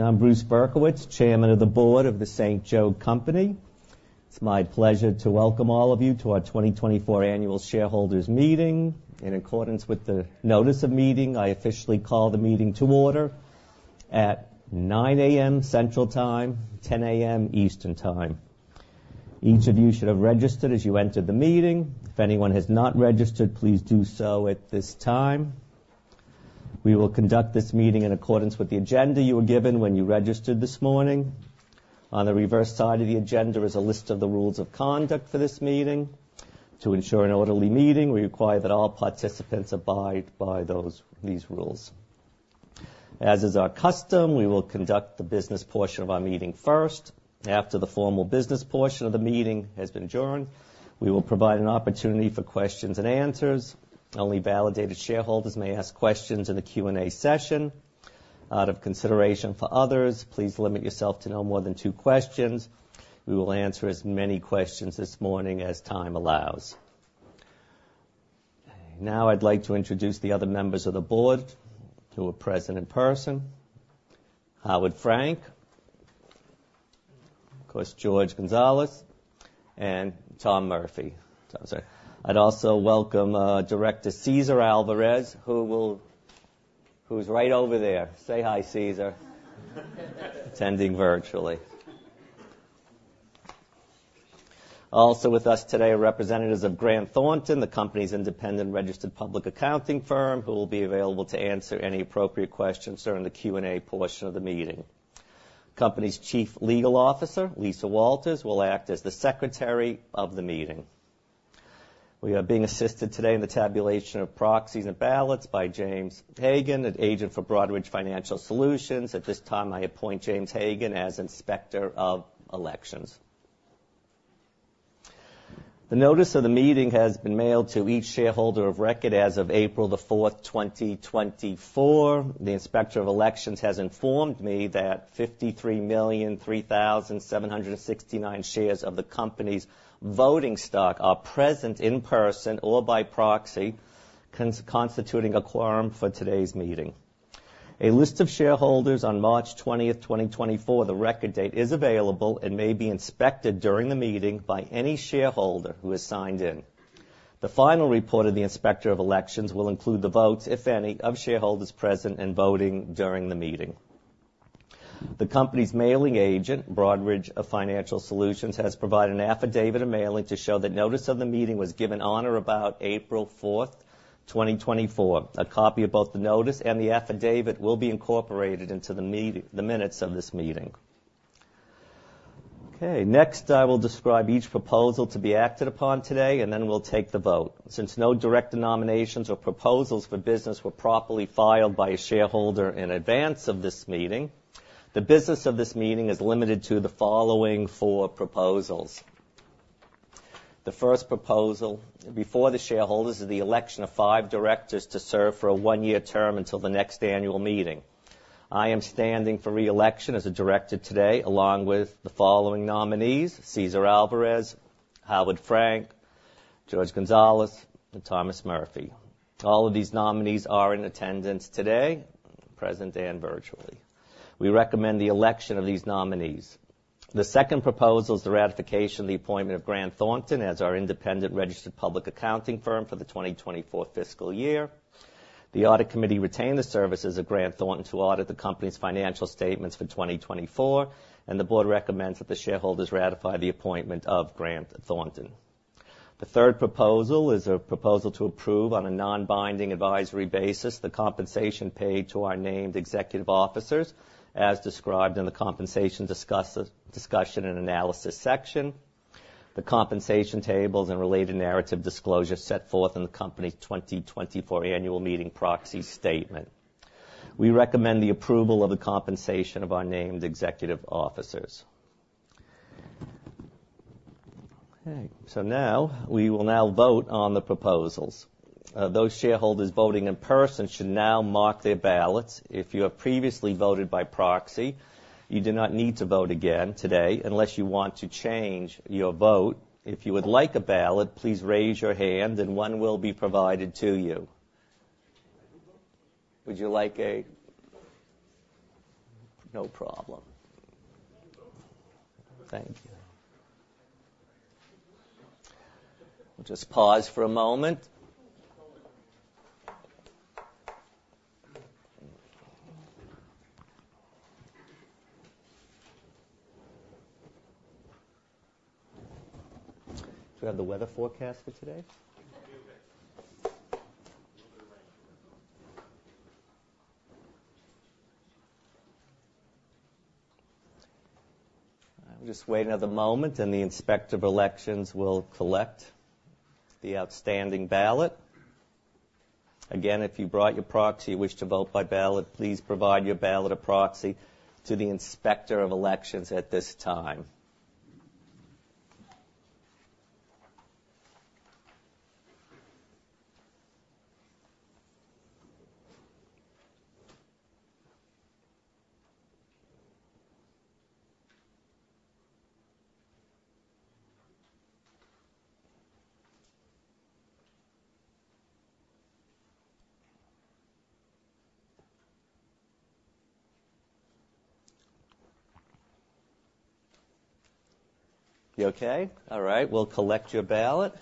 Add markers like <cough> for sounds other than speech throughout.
I'm Bruce Berkowitz, Chairman of the Board of The St. Joe Company. It's my pleasure to welcome all of you to our 2024 Annual Shareholders Meeting. In accordance with the notice of meeting, I officially call the meeting to order at 9:00 A.M. Central Time, 10:00 A.M. Eastern Time. Each of you should have registered as you entered the meeting. If anyone has not registered, please do so at this time. We will conduct this meeting in accordance with the agenda you were given when you registered this morning. On the reverse side of the agenda is a list of the rules of conduct for this meeting. To ensure an orderly meeting, we require that all participants abide by those—these rules. As is our custom, we will conduct the business portion of our meeting first. After the formal business portion of the meeting has been adjourned, we will provide an opportunity for questions and answers. Only validated shareholders may ask questions in the Q&A session. Out of consideration for others, please limit yourself to no more than two questions. We will answer as many questions this morning as time allows. Now, I'd like to introduce the other members of the board who are present in person: Howard Frank, of course, Jorge Gonzalez, and Tom Murphy. I'd also welcome Director Cesar Alvarez, who's right over there. Say hi, Cesar. Attending virtually. Also with us today are representatives of Grant Thornton, the company's independent registered public accounting firm, who will be available to answer any appropriate questions during the Q&A portion of the meeting. Company's Chief Legal Officer, Lisa Walters, will act as the secretary of the meeting. We are being assisted today in the tabulation of proxies and ballots by James Hagan, an agent for Broadridge Financial Solutions. At this time, I appoint James Hagan as Inspector of Elections. The notice of the meeting has been mailed to each shareholder of record as of April 4, 2024. The Inspector of Elections has informed me that 53,003,769 shares of the company's voting stock are present in person or by proxy, constituting a quorum for today's meeting. A list of shareholders on March 20, 2024, the record date, is available and may be inspected during the meeting by any shareholder who has signed in. The final report of the Inspector of Elections will include the votes, if any, of shareholders present and voting during the meeting. The company's mailing agent, Broadridge Financial Solutions, has provided an affidavit of mailing to show that notice of the meeting was given on or about April 4, 2024. A copy of both the notice and the affidavit will be incorporated into the minutes of this meeting. Okay, next, I will describe each proposal to be acted upon today, and then we'll take the vote. Since no director nominations or proposals for business were properly filed by a shareholder in advance of this meeting, the business of this meeting is limited to the following four proposals. The first proposal before the shareholders is the election of five directors to serve for a one-year term until the next annual meeting. I am standing for re-election as a director today, along with the following nominees: Cesar Alvarez, Howard Frank, Jorge Gonzalez, and Thomas Murphy. All of these nominees are in attendance today, present and virtually. We recommend the election of these nominees. The second proposal is the ratification of the appointment of Grant Thornton as our independent registered public accounting firm for the 2024 fiscal year. The Audit Committee retained the services of Grant Thornton to audit the company's financial statements for 2024, and the board recommends that the shareholders ratify the appointment of Grant Thornton. The third proposal is a proposal to approve, on a non-binding advisory basis, the compensation paid to our named executive officers, as described in the Compensation Discussion and Analysis section, the compensation tables and related narrative disclosures set forth in the company's 2024 Annual Meeting Proxy Statement. We recommend the approval of the compensation of our named executive officers. Okay, so now, we will now vote on the proposals. Those shareholders voting in person should now mark their ballots. If you have previously voted by proxy, you do not need to vote again today unless you want to change your vote. If you would like a ballot, please raise your hand and one will be provided to you. Would you like a--No problem. Thank you. We'll just pause for a moment. Do you have the weather forecast for today? Just wait another moment, and the Inspector of Elections will collect the outstanding ballot. Again, if you brought your proxy, you wish to vote by ballot, please provide your ballot or proxy to the Inspector of Elections at this time. You okay? All right, we'll collect your ballot.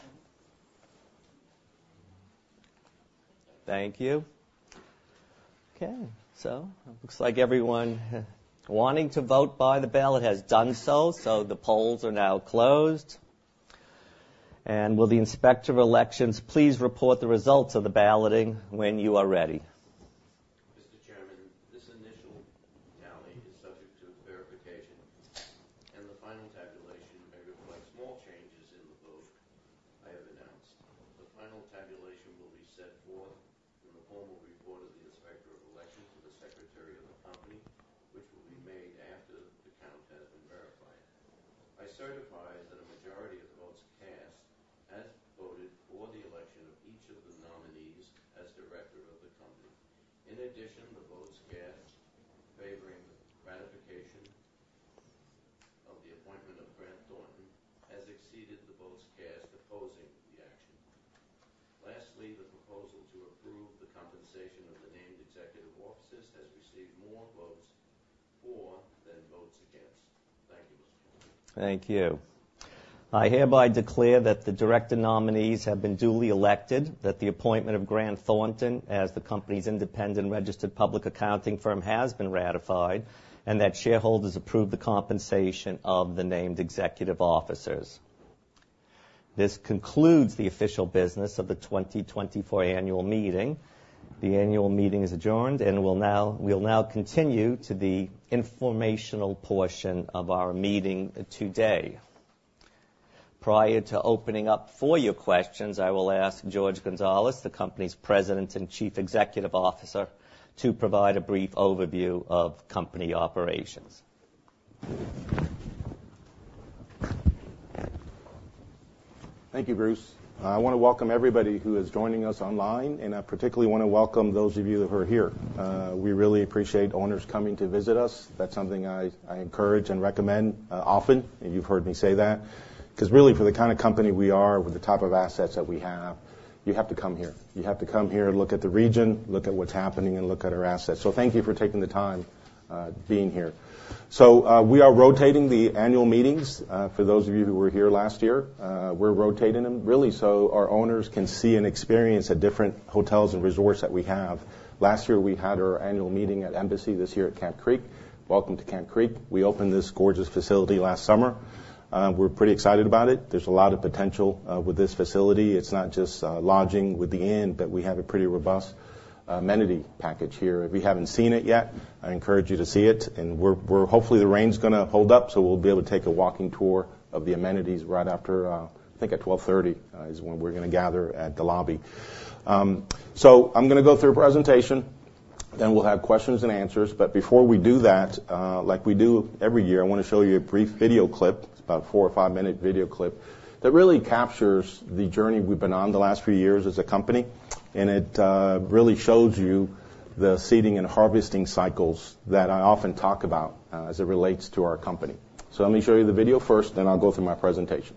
Thank you. Okay, so looks like everyone wanting to vote by the ballot has done so, so the polls are now closed. Will the Inspector of Elections please report the results of the balloting when you are ready? The annual meeting is adjourned, and we'll now continue to the informational portion of our meeting today. Prior to opening up for your questions, I will ask Jorge Gonzalez, the company's President and Chief Executive Officer, to provide a brief overview of company operations. Thank you, Bruce. I wanna welcome everybody who is joining us online, and I particularly wanna welcome those of you who are here. We really appreciate owners coming to visit us. That's something I encourage and recommend often, and you've heard me say that, 'cause really, for the kind of company we are, with the type of assets that we have, you have to come here. You have to come here and look at the region, look at what's happening, and look at our assets. Thank you for taking the time, being here. We are rotating the annual meetings. For those of you who were here last year, we're rotating them really so our owners can see and experience the different hotels and resorts that we have. Last year, we had our annual meeting at Embassy, this year at Camp Creek. Welcome to Camp Creek. We opened this gorgeous facility last summer. We're pretty excited about it. There's a lot of potential with this facility. It's not just lodging with the inn, but we have a pretty robust amenity package here. If you haven't seen it yet, I encourage you to see it, and we're hopefully the rain's gonna hold up, so we'll be able to take a walking tour of the amenities right after. I think at 12:30 P.M. is when we're gonna gather at the lobby. So I'm gonna go through a presentation, then we'll have questions and answers. But before we do that, like we do every year, I wanna show you a brief video clip. It's about a four- or five-minute video clip that really captures the journey we've been on the last few years as a company, and it really shows you the seeding and harvesting cycles that I often talk about as it relates to our company. So let me show you the video first, then I'll go through my presentation.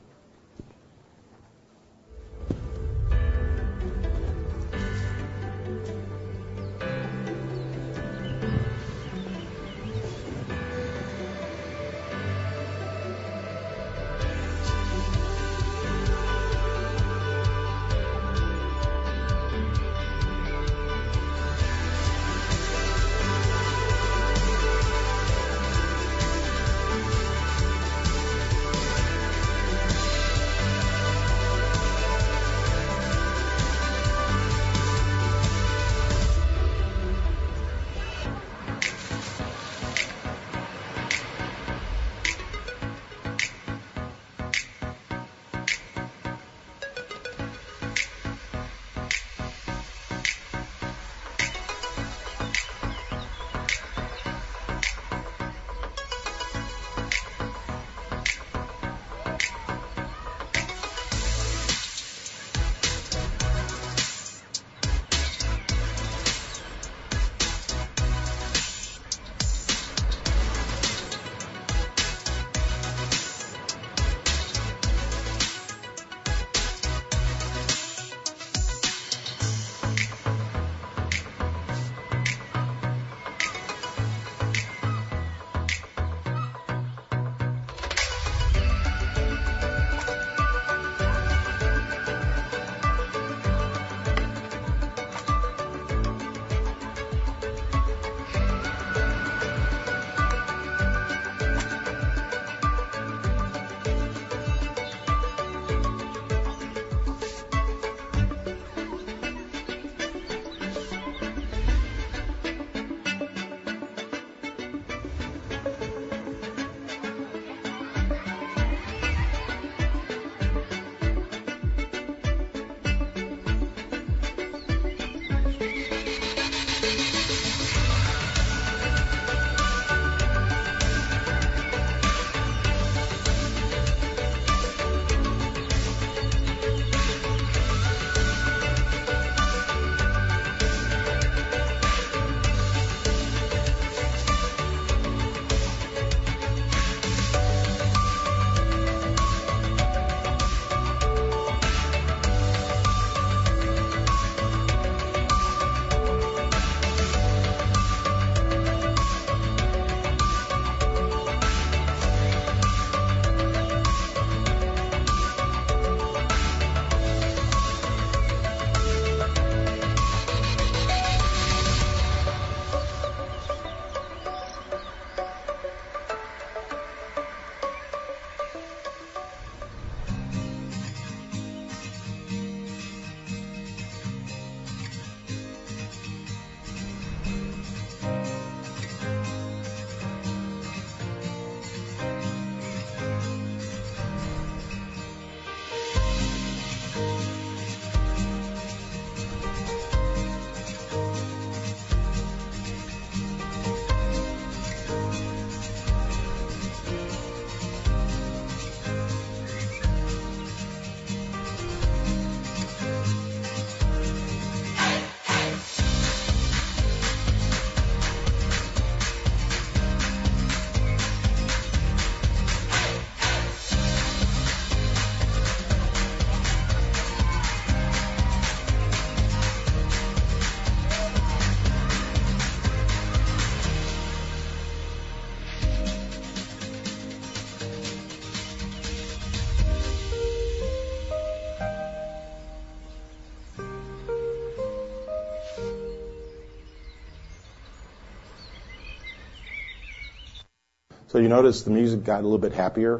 So you notice the music got a little bit happier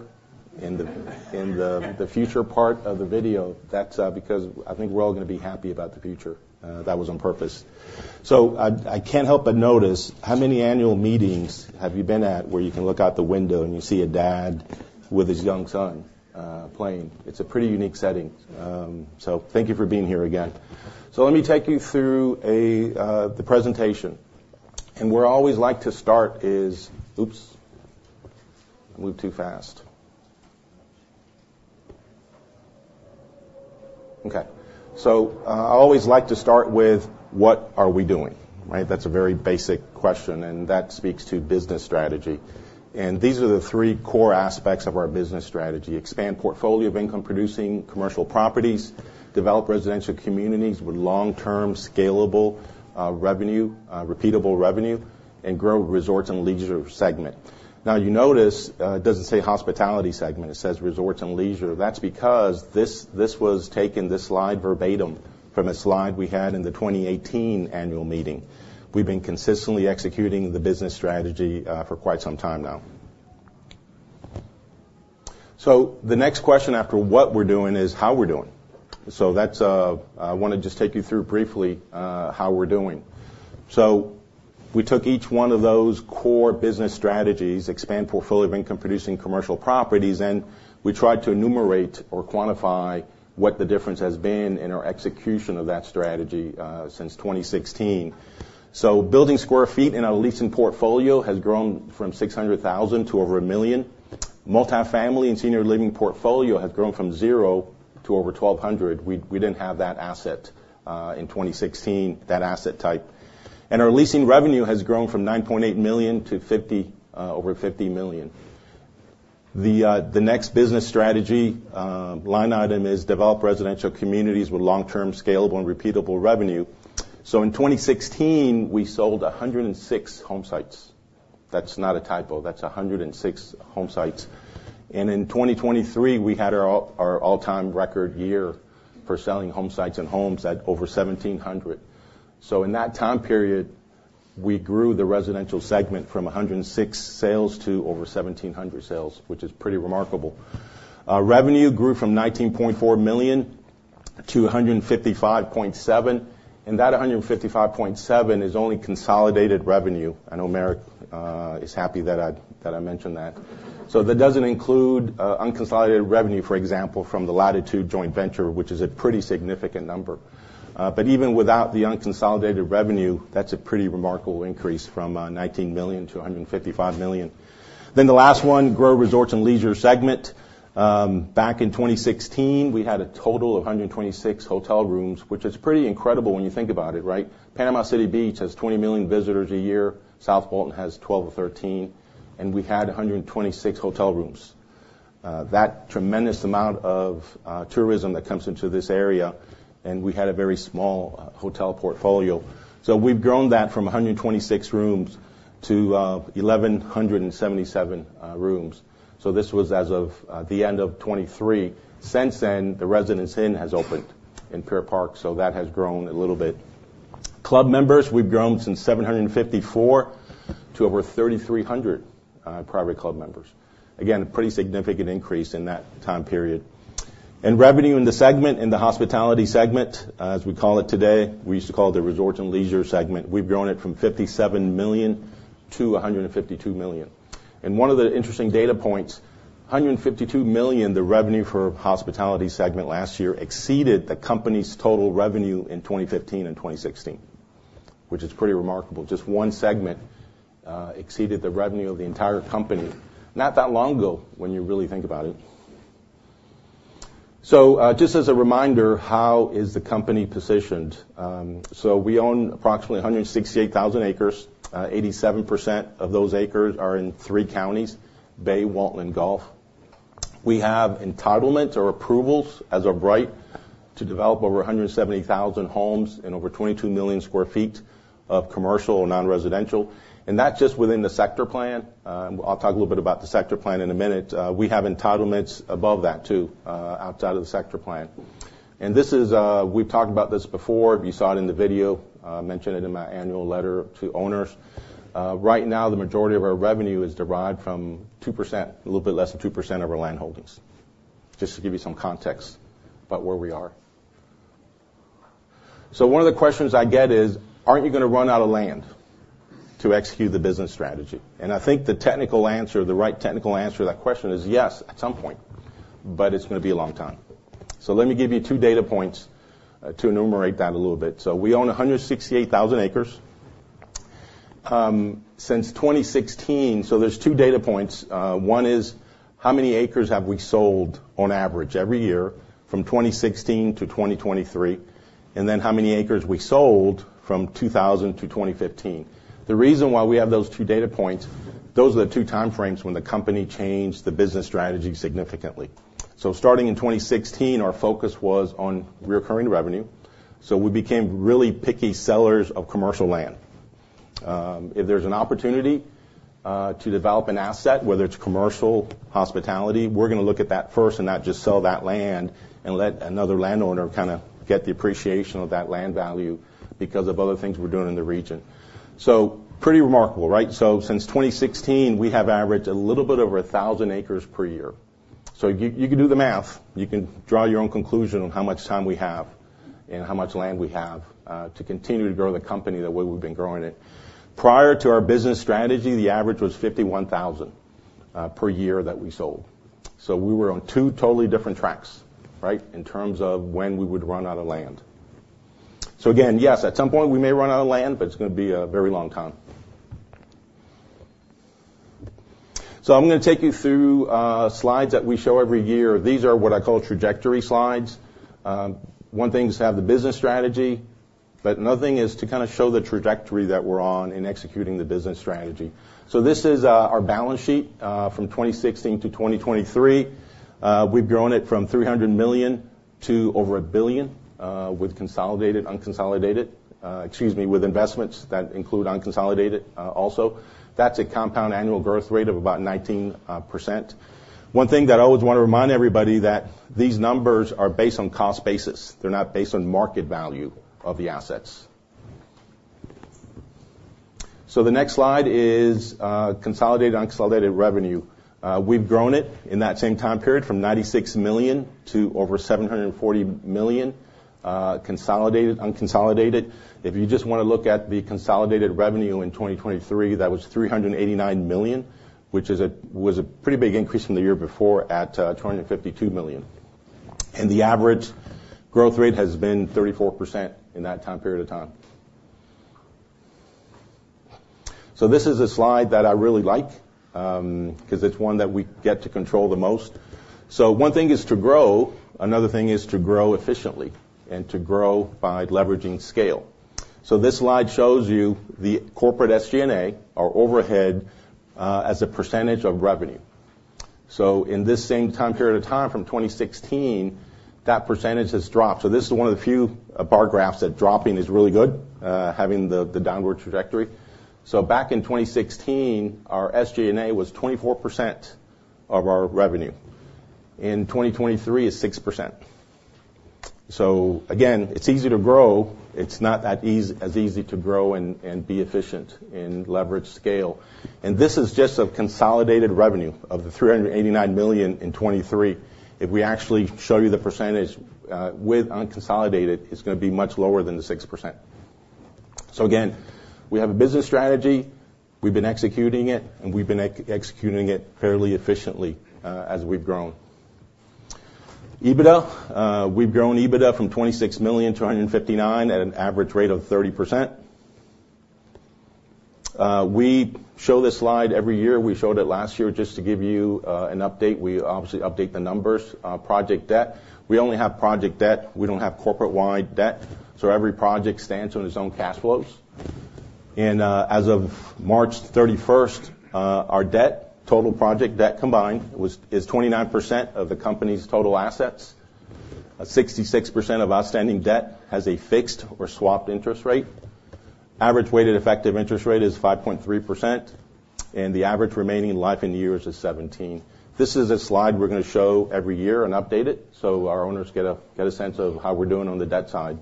in the future part of the video. That's because I think we're all going to be happy about the future. That was on purpose. So I can't help but notice, how many annual meetings have you been at where you can look out the window, and you see a dad with his young son playing? It's a pretty unique setting. So thank you for being here again. So let me take you through a, the presentation. And where I always like to start is- Oops! I moved too fast. Okay, so, I always like to start with, what are we doing, right? That's a very basic question, and that speaks to business strategy. These are the three core aspects of our business strategy: expand portfolio of income-producing commercial properties, develop residential communities with long-term, scalable, revenue, repeatable revenue, and grow resorts and leisure segment. Now, you notice, it doesn't say hospitality segment. It says resorts and leisure. That's because this, this was taken, this slide, verbatim from a slide we had in the 2018 annual meeting. We've been consistently executing the business strategy, for quite some time now. So the next question after what we're doing is how we're doing. So that's, I want to just take you through briefly, how we're doing. So we took each one of those core business strategies, expand portfolio of income-producing commercial properties, and we tried to enumerate or quantify what the difference has been in our execution of that strategy, since 2016. So building square feet in our leasing portfolio has grown from 600,000 sq ft to over 1,000,000 sq ft. Multifamily and senior living portfolio has grown from zero to over 1,200. We, we didn't have that asset, in 2016, that asset type. And our leasing revenue has grown from $9.8 million to fifty, over $50 million. The, the next business strategy, line item is develop residential communities with long-term, scalable, and repeatable revenue. So in 2016, we sold 106 home sites. That's not a typo. That's 106 home sites. In 2023, we had our all-time record year for selling home sites and homes at over 1,700. So in that time period, we grew the residential segment from 106 sales to over 1,700 sales, which is pretty remarkable. Our revenue grew from $19.4 million to $155.7 million, and that $155.7 million is only consolidated revenue. I know Marek is happy that I mentioned that. So that doesn't include unconsolidated revenue, for example, from the Latitude joint venture, which is a pretty significant number. But even without the unconsolidated revenue, that's a pretty remarkable increase from $19 million to $155 million. Then the last one, grow resorts and leisure segment. Back in 2016, we had a total of 126 hotel rooms, which is pretty incredible when you think about it, right? Panama City Beach has 20 million visitors a year. South Walton has 12 or 13, and we had 126 hotel rooms. That tremendous amount of tourism that comes into this area, and we had a very small hotel portfolio. So we've grown that from 126 rooms to 1,177 rooms. So this was as of the end of 2023. Since then, the Residence Inn has opened in Pier Park, so that has grown a little bit. Club members, we've grown since 754 to over 3,300 private club members. Again, a pretty significant increase in that time period. Revenue in the segment, in the hospitality segment, as we call it today, we used to call it the resorts and leisure segment. We've grown it from $57 million to $152 million. And one of the interesting data points, $152 million, the revenue for hospitality segment last year, exceeded the company's total revenue in 2015 and 2016, which is pretty remarkable. Just one segment, exceeded the revenue of the entire company, not that long ago, when you really think about it. So, just as a reminder, how is the company positioned? So we own approximately 168,000 acres. 87% of those acres are in three counties: Bay, Walton, Gulf. We have entitlements or approvals as of right to develop over 170,000 homes and over 22 million sq ft of commercial or non-residential, and that's just within the Sector Plan. I'll talk a little bit about the Sector Plan in a minute. We have entitlements above that, too, outside of the Sector Plan. This is--We've talked about this before. You saw it in the video, I mentioned it in my annual letter to owners. Right now, the majority of our revenue is derived from 2%, a little bit less than 2% of our land holdings, just to give you some context about where we are. So one of the questions I get is: Aren't you going to run out of land to execute the business strategy? I think the technical answer, the right technical answer to that question is yes, at some point, but it's going to be a long time. Let me give you two data points to enumerate that a little bit. We own 168,000 acres. Since 2016, there's two data points. One is, how many acres have we sold on average every year from 2016 to 2023, and then how many acres we sold from 2000 to 2015. The reason why we have those two data points, those are the two time frames when the company changed the business strategy significantly. Starting in 2016, our focus was on recurring revenue, so we became really picky sellers of commercial land. If there's an opportunity to develop an asset, whether it's commercial, hospitality, we're going to look at that first and not just sell that land and let another landowner get the appreciation of that land value because of other things we're doing in the region. So pretty remarkable, right? So since 2016, we have averaged a little bit over 1,000 acres per year. So you can do the math. You can draw your own conclusion on how much time we have and how much land we have to continue to grow the company the way we've been growing it. Prior to our business strategy, the average was 51,000 per year that we sold. So we were on two totally different tracks, right? In terms of when we would run out of land. So again, yes, at some point we may run out of land, but it's going to be a very long time. So I'm going to take you through slides that we show every year. These are what I call trajectory slides. One thing is to have the business strategy, but another thing is to kind of show the trajectory that we're on in executing the business strategy. So this is our balance sheet from 2016 to 2023. We've grown it from $300 million to over $1 billion with consolidated, unconsolidated, excuse me, with investments that include unconsolidated also. That's a compound annual growth rate of about 19%. One thing that I always want to remind everybody that these numbers are based on cost basis. They're not based on market value of the assets. So the next slide is consolidated unconsolidated revenue. We've grown it in that same time period from $96 million to over $740 million, consolidated unconsolidated. If you just want to look at the consolidated revenue in 2023, that was $389 million, which was a pretty big increase from the year before at $252 million. And the average growth rate has been 34% in that time period of time. So this is a slide that I really like, 'cause it's one that we get to control the most. So one thing is to grow, another thing is to grow efficiently and to grow by leveraging scale. So this slide shows you the corporate SG&A, our overhead, as a percentage of revenue. So in this same time period of time, from 2016, that percentage has dropped. So this is one of the few bar graphs that dropping is really good, having the downward trajectory. So back in 2016, our SG&A was 24% of our revenue. In 2023, it's 6%. So again, it's easy to grow. It's not that easy, as easy to grow and be efficient in leverage scale. And this is just a consolidated revenue of $389 million in 2023. If we actually show you the percentage with unconsolidated, it's going to be much lower than the 6%. So again, we have a business strategy, we've been executing it, and we've been executing it fairly efficiently as we've grown. EBITDA, we've grown EBITDA from $26 million to $159 million at an average rate of 30%. We show this slide every year. We showed it last year. Just to give you an update, we obviously update the numbers. Project debt. We only have project debt. We don't have corporate-wide debt, so every project stands on its own cash flows. As of March 31st, our debt, total project debt combined, was, is 29% of the company's total assets. 66% of outstanding debt has a fixed or swapped interest rate. Average weighted effective interest rate is 5.3%, and the average remaining life in years is 17%. This is a slide we're going to show every year and update it, so our owners get a sense of how we're doing on the debt side.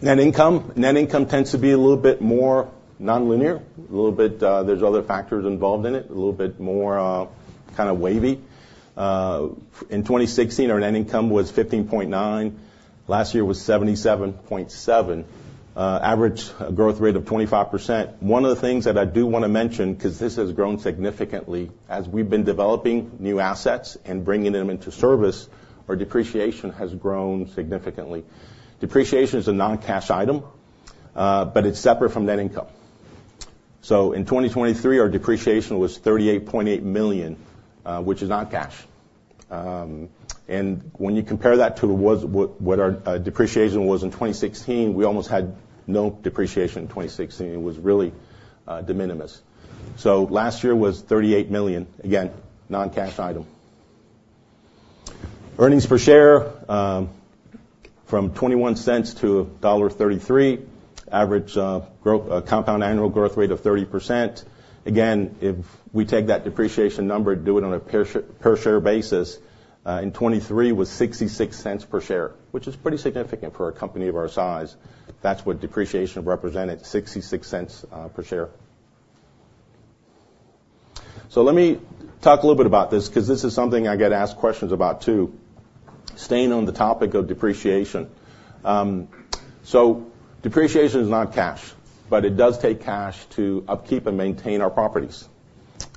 Net income. Net income tends to be a little bit more nonlinear, a little bit. There's other factors involved in it, a little bit more, kind of wavy. In 2016, our net income was $15.9 million. Last year, it was $77.7 million. Average growth rate of 25%. One of the things that I do want to mention, 'cause this has grown significantly, as we've been developing new assets and bringing them into service, our depreciation has grown significantly. Depreciation is a non-cash item, but it's separate from net income. So in 2023, our depreciation was $38.8 million, which is non-cash. And when you compare that to what our depreciation was in 2016, we almost had no depreciation in 2016. It was really, de minimis. So last year was $38 million. Again, non-cash item. Earnings per share from $0.21 to $1.33. Average growth, compound annual growth rate of 30%. Again, if we take that depreciation number and do it on a per share basis, in 2023 was $0.66 per share, which is pretty significant for a company of our size. That's what depreciation represented, $0.66 per share. So let me talk a little bit about this, because this is something I get asked questions about, too. Staying on the topic of depreciation. So depreciation is not cash, but it does take cash to upkeep and maintain our properties.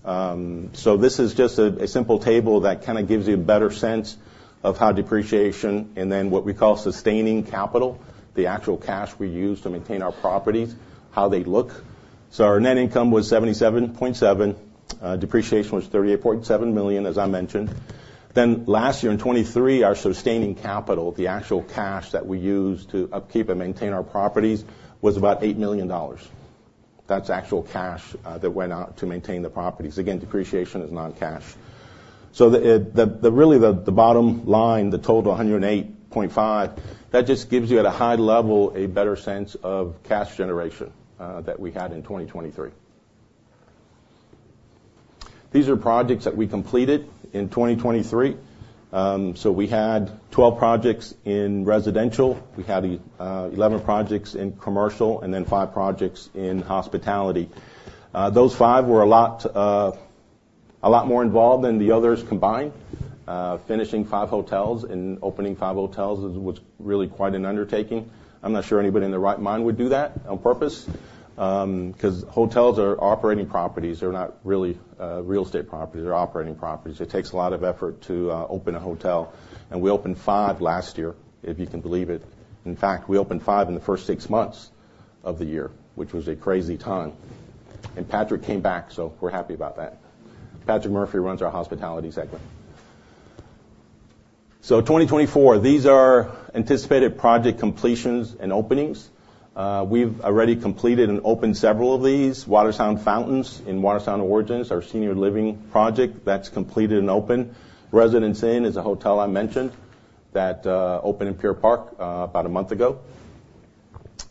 So this is just a simple table that kind of gives you a better sense of how depreciation, and then what we call sustaining capital, the actual cash we use to maintain our properties, how they look. So our net income was $77.7 million. Depreciation was $38.7 million, as I mentioned. Then last year, in 2023, our sustaining capital, the actual cash that we used to upkeep and maintain our properties, was about $8 million. That's actual cash that went out to maintain the properties. Again, depreciation is non-cash. So the bottom line, the total $108.5 million, that just gives you, at a high level, a better sense of cash generation that we had in 2023. These are projects that we completed in 2023. So we had 12 projects in residential, we had 11 projects in commercial, and then five projects in hospitality. Those five were a lot more involved than the others combined. Finishing five hotels and opening five hotels is, was really quite an undertaking. I'm not sure anybody in their right mind would do that on purpose, because hotels are operating properties. They're not really real estate properties. They're operating properties. It takes a lot of effort to open a hotel, and we opened five last year, if you can believe it. In fact, we opened five in the first six months of the year, which was a crazy time. Patrick came back, so we're happy about that. Patrick Murphy runs our hospitality segment. 2024, these are anticipated project completions and openings. We've already completed and opened several of these. Watersound Fountains in Watersound Origins, our senior living project, that's completed and open. Residence Inn is a hotel I mentioned that opened in Pier Park about a month ago.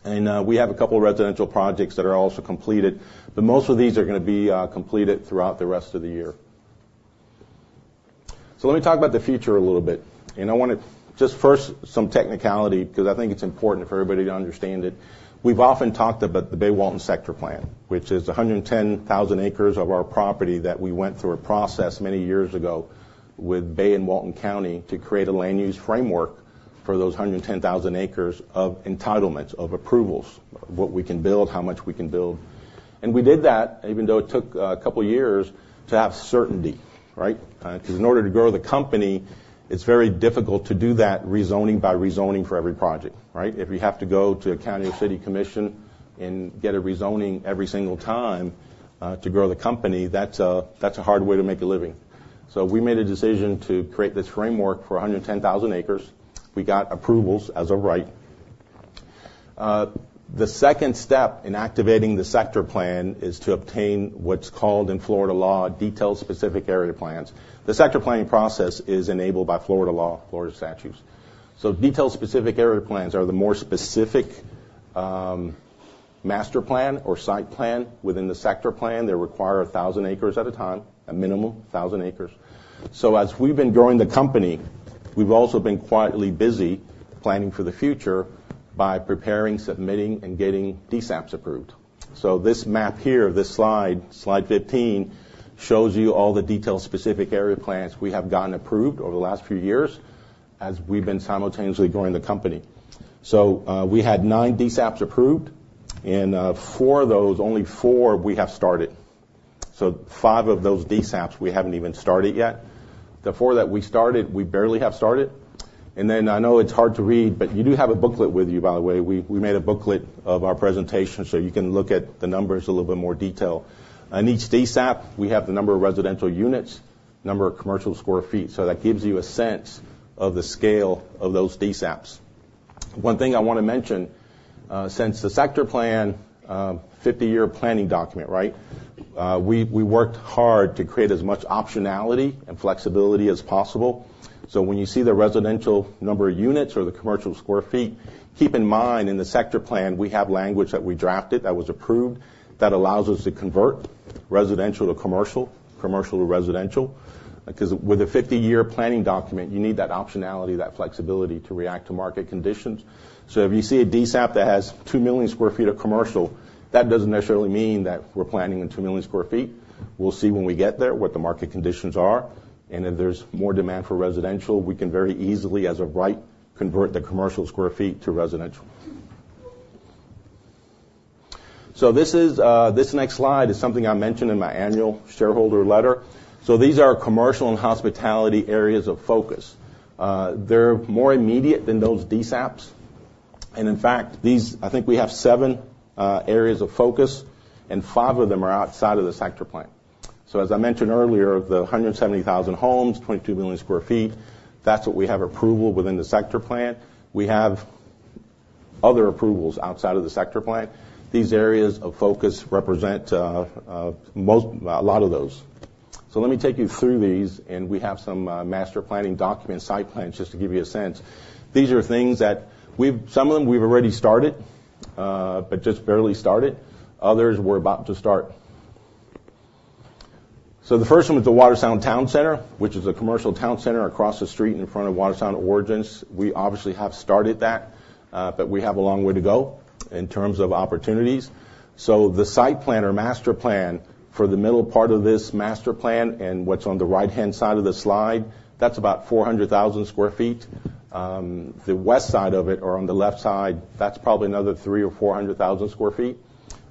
We have a couple of residential projects that are also completed, but most of these are gonna be completed throughout the rest of the year. So let me talk about the future a little bit, and I wanna... Just first, some technicality, because I think it's important for everybody to understand it. We've often talked about the Bay-Walton Sector Plan, which is 110,000 acres of our property that we went through a process many years ago with Bay and Walton counties to create a land use framework for those 110,000 acres of entitlements, of approvals, what we can build, how much we can build. We did that, even though it took a couple of years, to have certainty, right? Because in order to grow the company, it's very difficult to do that rezoning by rezoning for every project, right? If you have to go to a county or city commission and get a rezoning every single time, to grow the company, that's a hard way to make a living. So we made a decision to create this framework for 110,000 acres. We got approvals as a right. The second step in activating the Sector Plan is to obtain what's called, in Florida law, Detailed Specific Area Plans. The Sector Plan process is enabled by Florida law, Florida statutes. So Detailed Specific Area Plans are the more specific, master plan or site plan within the Sector Plan. They require 1,000 acres at a time, a minimum of 1,000 acres. So as we've been growing the company, we've also been quietly busy planning for the future by preparing, submitting, and getting DSAPs approved. So this map here, this slide, slide 15, shows you all the Detailed Specific Area Plans we have gotten approved over the last few years as we've been simultaneously growing the company. So, we had nine DSAPs approved, and, four of those, only four we have started. So five of those DSAPs, we haven't even started yet. The four that we started, we barely have started. And then, I know it's hard to read, but you do have a booklet with you, by the way. We made a booklet of our presentation, so you can look at the numbers a little bit more detail. In each DSAP, we have the number of residential units, number of commercial square feet, so that gives you a sense of the scale of those DSAPs. One thing I want to mention, since the Sector Plan, 50-year planning document, we worked hard to create as much optionality and flexibility as possible. So when you see the residential number of units or the commercial square feet, keep in mind, in the Sector Plan, we have language that we drafted, that was approved, that allows us to convert residential to commercial, commercial to residential, because with a 50-year planning document, you need that optionality, that flexibility to react to market conditions. So if you see a DSAP that has 2 million sq ft of commercial, that doesn't necessarily mean that we're planning on 2 million sq ft. We'll see when we get there, what the market conditions are, and if there's more demand for residential, we can very easily, as a right, convert the commercial square feet to residential. So this is, this next slide is something I mentioned in my annual shareholder letter. So these are commercial and hospitality areas of focus. They're more immediate than those DSAPs. And in fact, these, I think we have seven areas of focus, and five of them are outside of the Sector Plan. So as I mentioned earlier, of the 170,000 homes, 22 million sq ft, that's what we have approval within the Sector Plan. We have other approvals outside of the Sector Plan. These areas of focus represent most, a lot of those. So let me take you through these, and we have some master planning document site plans, just to give you a sense. These are things that we've, some of them, we've already started, but just barely started. Others, we're about to start. So the first one was the Watersound Town Center, which is a commercial town center across the street in front of Watersound Origins. We obviously have started that, but we have a long way to go in terms of opportunities. So the site plan or master plan for the middle part of this master plan and what's on the right-hand side of the slide, that's about 400,000 sq ft. The west side of it or on the left side, that's probably another 300,000-400,000 sq ft.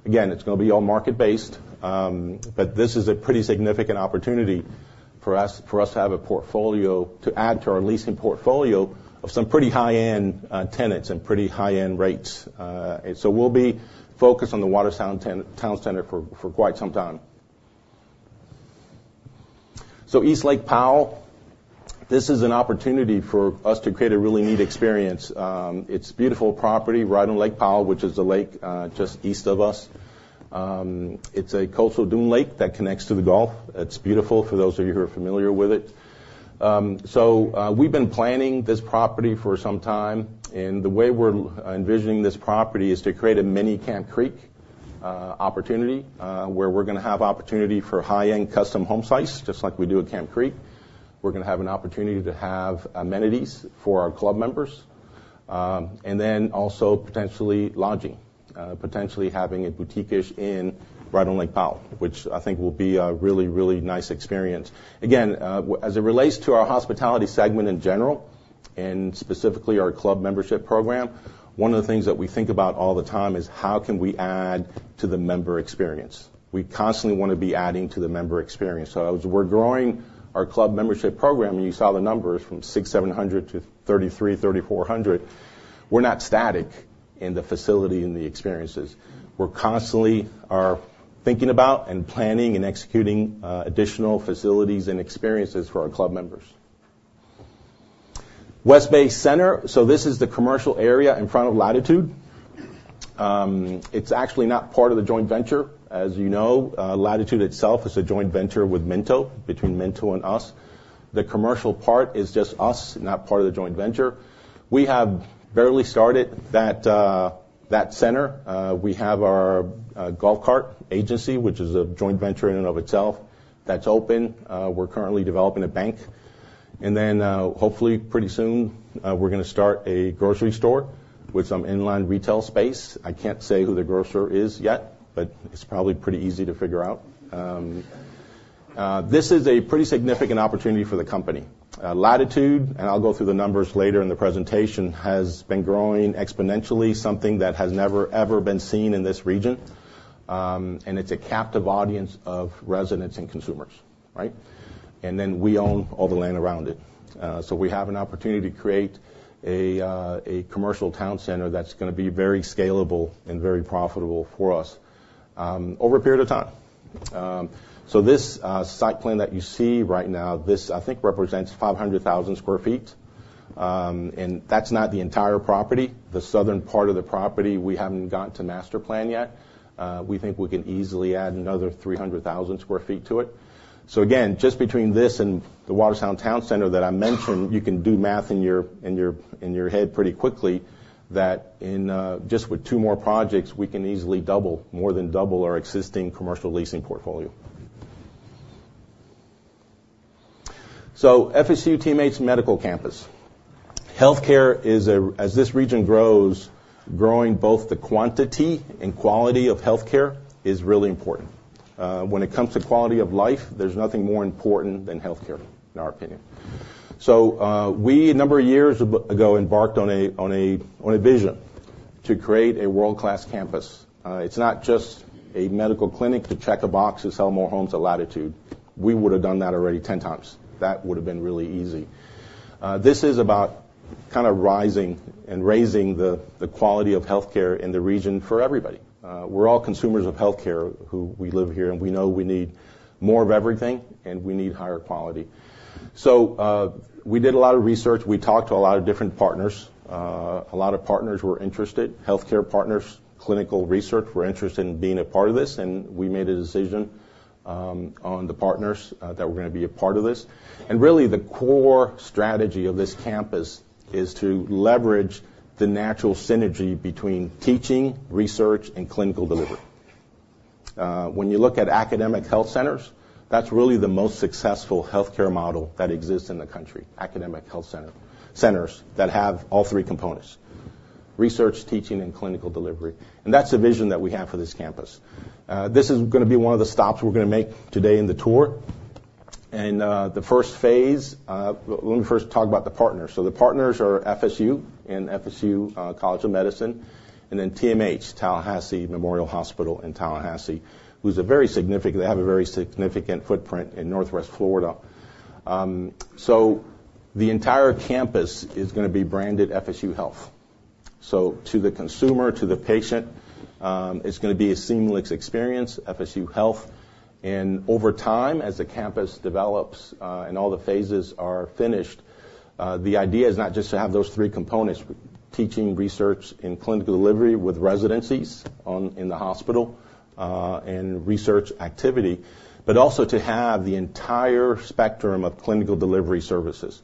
Again, it's going to be all market-based, but this is a pretty significant opportunity for us, for us to have a portfolio, to add to our leasing portfolio of some pretty high-end tenants and pretty high-end rates. So we'll be focused on the Watersound Town Center for, for quite some time. So East Lake Powell, this is an opportunity for us to create a really neat experience. It's a beautiful property, right on Lake Powell, which is a lake just east of us. It's a coastal dune lake that connects to the Gulf. It's beautiful for those of you who are familiar with it. So, we've been planning this property for some time, and the way we're envisioning this property is to create a mini Camp Creek opportunity, where we're going to have opportunity for high-end custom home sites, just like we do at Camp Creek. We're going to have an opportunity to have amenities for our club members, and then also potentially lodging, potentially having a boutique-ish inn right on Lake Powell, which I think will be a really, really nice experience. Again, as it relates to our hospitality segment in general, and specifically our club membership program, one of the things that we think about all the time is how can we add to the member experience? We constantly want to be adding to the member experience. So as we're growing our club membership program, and you saw the numbers from 600-700 to 3,300-3,400, we're not static in the facility and the experiences. We're constantly are thinking about and planning and executing additional facilities and experiences for our club members. West Bay Center, so this is the commercial area in front of Latitude. It's actually not part of the joint venture. As you know, Latitude itself is a joint venture with Minto, between Minto and us. The commercial part is just us, not part of the joint venture. We have barely started that center. We have our golf cart agency, which is a joint venture in and of itself, that's open. We're currently developing a bank. And then, hopefully, pretty soon, we're going to start a grocery store with some inline retail space. I can't say who the grocer is yet, but it's probably pretty easy to figure out. This is a pretty significant opportunity for the company. Latitude, and I'll go through the numbers later in the presentation, has been growing exponentially, something that has never, ever been seen in this region. And it's a captive audience of residents and consumers, right? And then we own all the land around it. So we have an opportunity to create a commercial town center that's going to be very scalable and very profitable for us over a period of time. So this site plan that you see right now, this, I think, represents 500,000 sq ft. And that's not the entire property. The southern part of the property, we haven't gotten to master plan yet. We think we can easily add another 300,000 sq ft to it. So again, just between this and the Watersound Town Center that I mentioned, you can do math in your head pretty quickly, that in just with two more projects, we can easily double, more than double our existing commercial leasing portfolio. So FSU TMH Medical Campus. Healthcare is as this region grows, growing both the quantity and quality of healthcare is really important. When it comes to quality of life, there's nothing more important than healthcare, in our opinion. So, we a number of years ago embarked on a vision to create a world-class campus. It's not just a medical clinic to check a box to sell more homes to Latitude. We would have done that already 10x. That would have been really easy. This is about kind of rising and raising the quality of healthcare in the region for everybody. We're all consumers of healthcare, who we live here, and we know we need more of everything, and we need higher quality. So, we did a lot of research. We talked to a lot of different partners. A lot of partners were interested. Healthcare partners, clinical research were interested in being a part of this, and we made a decision on the partners that were going to be a part of this. And really, the core strategy of this campus is to leverage the natural synergy between teaching, research, and clinical delivery. When you look at academic health centers, that's really the most successful healthcare model that exists in the country, academic health centers that have all three components: research, teaching, and clinical delivery. And that's the vision that we have for this campus. This is going to be one of the stops we're going to make today in the tour. The first phase. Let me first talk about the partners. So the partners are FSU and FSU College of Medicine, and then TMH, Tallahassee Memorial HealthCare in Tallahassee, who's very significant. They have a very significant footprint in Northwest Florida. So the entire campus is going to be branded FSU Health. So to the consumer, to the patient, it's going to be a seamless experience, FSU Health. Over time, as the campus develops, and all the phases are finished, the idea is not just to have those three components, teaching, research, and clinical delivery with residencies in the hospital, and research activity, but also to have the entire spectrum of clinical delivery services.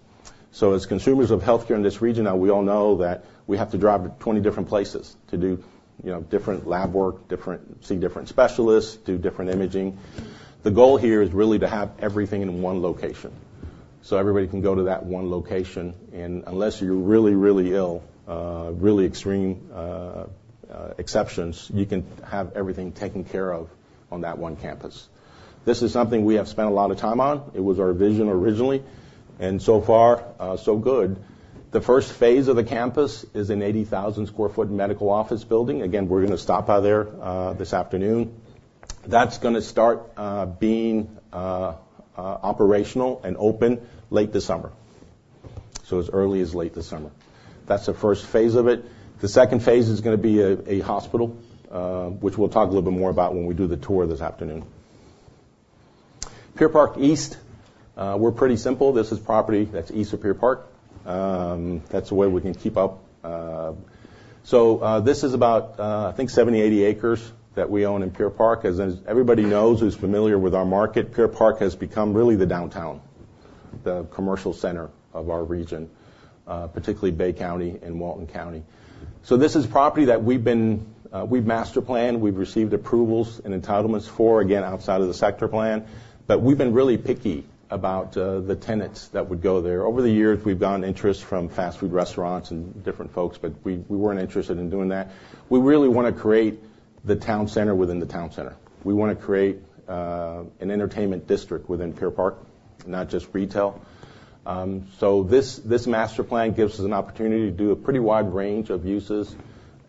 So as consumers of healthcare in this region, now we all know that we have to drive to 20 different places to do, you know, different lab work, see different specialists, do different imaging. The goal here is really to have everything in one location. So everybody can go to that one location, and unless you're really, really ill, really extreme exceptions, you can have everything taken care of on that one campus. This is something we have spent a lot of time on. It was our vision originally, and so far, so good. The first phase of the campus is an 80,000 sq ft medical office building. Again, we're going to stop by there this afternoon. That's going to start being operational and open late this summer. So as early as late this summer. That's the first phase of it. The second phase is going to be a hospital, which we'll talk a little bit more about when we do the tour this afternoon. Pier Park East, we're pretty simple. This is property that's east of Pier Park. So, this is about, I think, 70-80 acres that we own in Pier Park. As everybody knows, who's familiar with our market, Pier Park has become really the downtown, the commercial center of our region, particularly Bay County and Walton County. So this is property that we've been, we've master planned, we've received approvals and entitlements for, again, outside of the Sector Plan. But we've been really picky about, the tenants that would go there. Over the years, we've gotten interest from fast-food restaurants and different folks, but we, we weren't interested in doing that. We really want to create the town center within the town center. We want to create, an entertainment district within Pier Park, not just retail. So this, this master plan gives us an opportunity to do a pretty wide range of uses: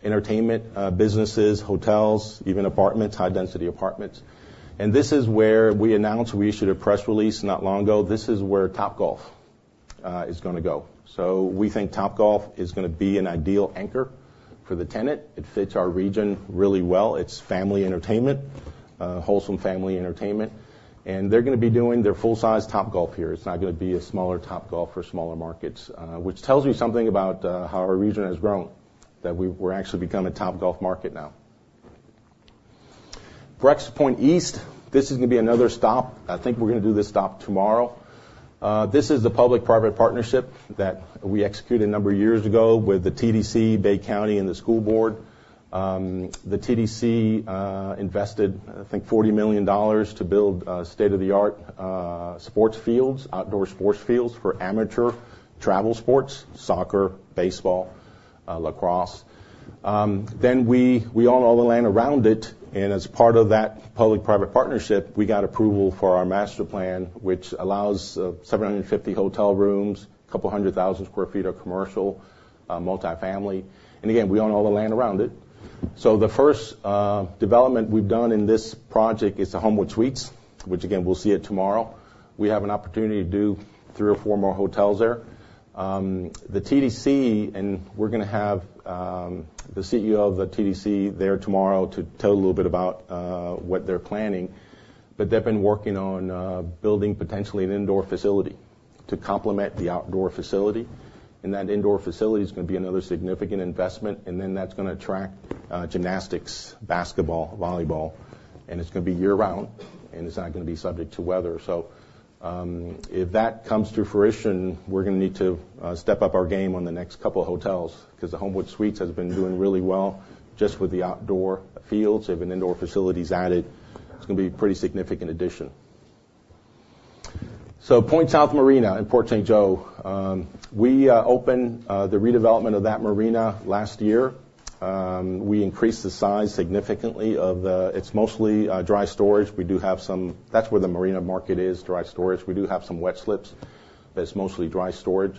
entertainment, businesses, hotels, even apartments, high-density apartments. And this is where we announced, we issued a press release not long ago, this is where Topgolf, is going to go. So we think Topgolf is going to be an ideal anchor for the tenant. It fits our region really well. It's family entertainment, wholesome family entertainment, and they're going to be doing their full-size Topgolf here. It's not going to be a smaller Topgolf for smaller markets, which tells you something about, how our region has grown, that we're actually become a Topgolf market now. Breakfast Point East, this is going to be another stop. I think we're going to do this stop tomorrow. This is the public-private partnership that we executed a number of years ago with the TDC, Bay County, and the school board. The TDC invested, I think, $40 million to build, state-of-the-art, sports fields, outdoor sports fields for amateur travel sports, soccer, baseball, lacrosse. Then we own all the land around it, and as part of that public-private partnership, we got approval for our master plan, which allows 750 hotel rooms, a couple hundred thousand sq ft of commercial, multifamily. And again, we own all the land around it. So the first development we've done in this project is the Homewood Suites, which again, we'll see it tomorrow. We have an opportunity to do three or four more hotels there. The TDC, and we're going to have the CEO of the TDC there tomorrow to tell a little bit about what they're planning. But they've been working on building potentially an indoor facility to complement the outdoor facility. That indoor facility is going to be another significant investment, and then that's going to attract gymnastics, basketball, volleyball, and it's going to be year-round, and it's not going to be subject to weather. So, if that comes to fruition, we're going to need to step up our game on the next couple of hotels because the Homewood Suites has been doing really well just with the outdoor fields. If an indoor facility is added, it's going to be a pretty significant addition. So Point South Marina in Port St. Joe, we opened the redevelopment of that marina last year. We increased the size significantly of it. It's mostly dry storage. We do have some. That's where the marina market is, dry storage. We do have some wet slips, but it's mostly dry storage.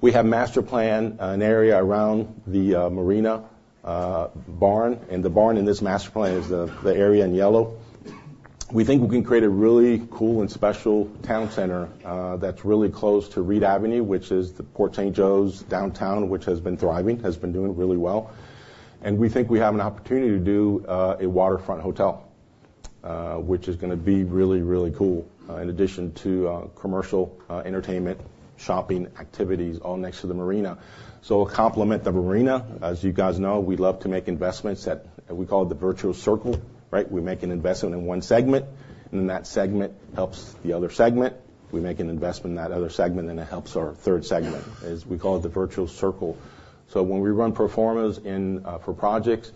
We have master plan, an area around the marina, barn, and the barn in this master plan is the area in yellow. We think we can create a really cool and special town center, that's really close to Reid Avenue, which is the Port St. Joe's downtown, which has been thriving, has been doing really well. And we think we have an opportunity to do a waterfront hotel, which is going to be really, really cool, in addition to commercial, entertainment, shopping, activities, all next to the marina. So complement the marina. As you guys know, we love to make investments at, we call it the virtuous circle, right? We make an investment in one segment, and then that segment helps the other segment. We make an investment in that other segment, and it helps our third segment. As we call it, the virtuous circle. So when we run performance in for projects,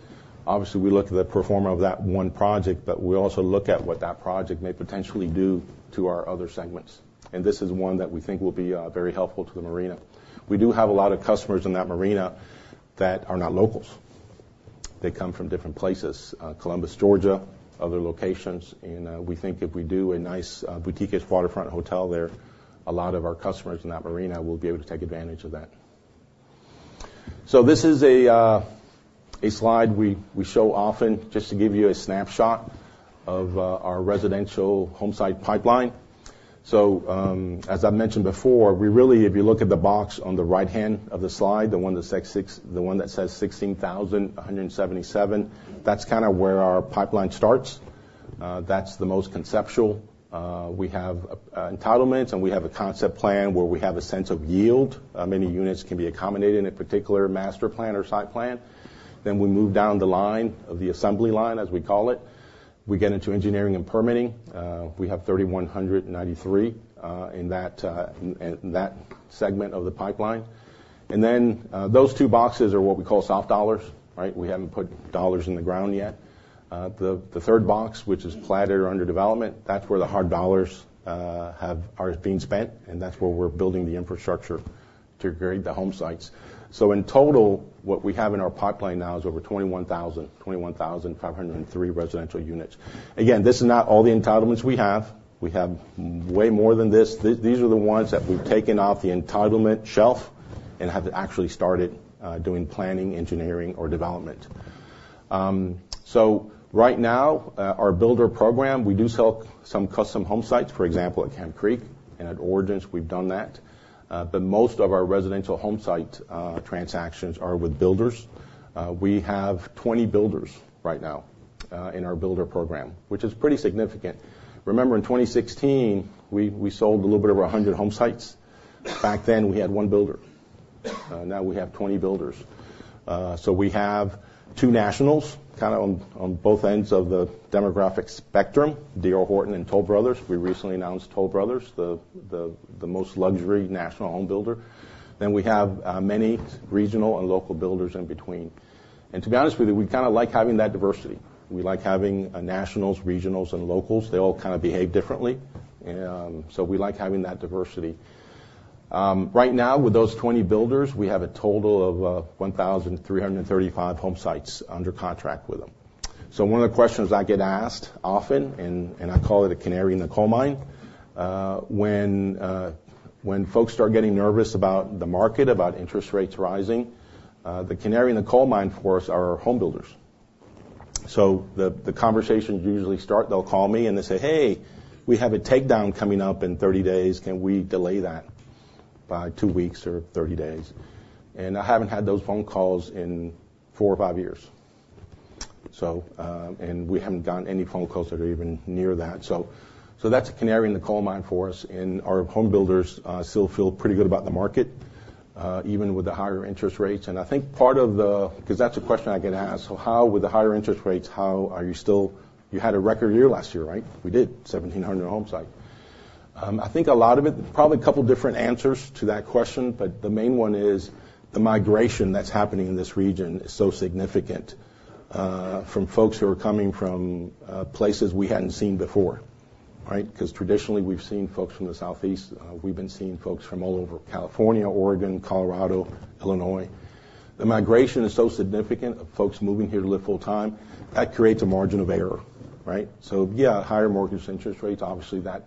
obviously, we look at the performance of that one project, but we also look at what that project may potentially do to our other segments. And this is one that we think will be very helpful to the marina. We do have a lot of customers in that marina that are not locals. They come from different places, Columbus, Georgia, other locations, and we think if we do a nice boutique waterfront hotel there, a lot of our customers in that marina will be able to take advantage of that. So this is a slide we show often just to give you a snapshot of our residential home site pipeline. So, as I mentioned before, we really, if you look at the box on the right-hand of the slide, the one that says 16,177, that's kind of where our pipeline starts. That's the most conceptual. We have entitlements, and we have a concept plan where we have a sense of yield. How many units can be accommodated in a particular master plan or site plan? Then we move down the line, of the assembly line, as we call it. We get into engineering and permitting. We have 3,193 in that segment of the pipeline. And then, those two boxes are what we call soft dollars, right? We haven't put dollars in the ground yet. The third box, which is platted or under development, that's where the hard dollars are being spent, and that's where we're building the infrastructure to grade the home sites. So in total, what we have in our pipeline now is over 21,000, 21,503 residential units. Again, this is not all the entitlements we have. We have way more than this. These are the ones that we've taken off the entitlement shelf and have actually started doing planning, engineering, or development. So right now, our builder program, we do sell some custom home sites, for example, at Camp Creek and at Origins, we've done that. But most of our residential home site transactions are with builders. We have 20 builders right now in our builder program, which is pretty significant. Remember, in 2016, we sold a little bit over 100 home sites. Back then, we had one builder. Now we have 20 builders. So we have two nationals, kind of on both ends of the demographic spectrum, D.R. Horton and Toll Brothers. We recently announced Toll Brothers, the most luxury national home builder. Then we have many regional and local builders in between. And to be honest with you, we kind of like having that diversity. We like having a nationals, regionals, and locals. They all kind of behave differently, and so we like having that diversity. Right now, with those 20 builders, we have a total of 1,335 home sites under contract with them. So one of the questions I get asked often, and I call it a canary in the coal mine, when folks start getting nervous about the market, about interest rates rising, the canary in the coal mine for us are our home builders. So the conversations usually start, they'll call me, and they say, "Hey, we have a takedown coming up in 30 days, can we delay that by two weeks or 30 days?" And I haven't had those phone calls in four or five years. So, and we haven't gotten any phone calls that are even near that. So that's a canary in the coal mine for us, and our home builders still feel pretty good about the market, even with the higher interest rates. I think part of the, because that's a question I get asked, "So how with the higher interest rates, how are you still. You had a record year last year, right?" We did, 1,700 home sites. I think a lot of it, probably a couple of different answers to that question, but the main one is the migration that's happening in this region is so significant, from folks who are coming from, places we hadn't seen before, right? Because traditionally, we've seen folks from the Southeast. We've been seeing folks from all over California, Oregon, Colorado, Illinois. The migration is so significant of folks moving here to live full-time, that creates a margin of error, right? So, yeah, higher mortgage interest rates, obviously, that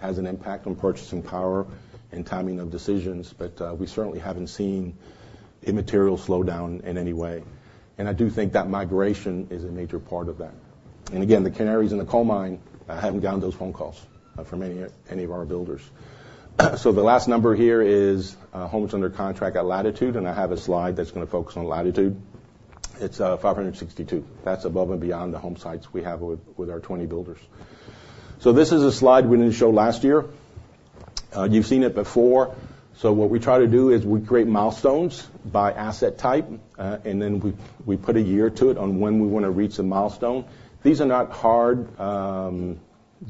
has an impact on purchasing power and timing of decisions, but we certainly haven't seen a material slowdown in any way. And I do think that migration is a major part of that. And again, the canaries in the coal mine, I haven't gotten those phone calls from any of our builders. So the last number here is homes under contract at Latitude, and I have a slide that's going to focus on Latitude. It's 562. That's above and beyond the home sites we have with our 20 builders. So this is a slide we didn't show last year. You've seen it before. So what we try to do is we create milestones by asset type, and then we put a year to it on when we want to reach a milestone. These are not hard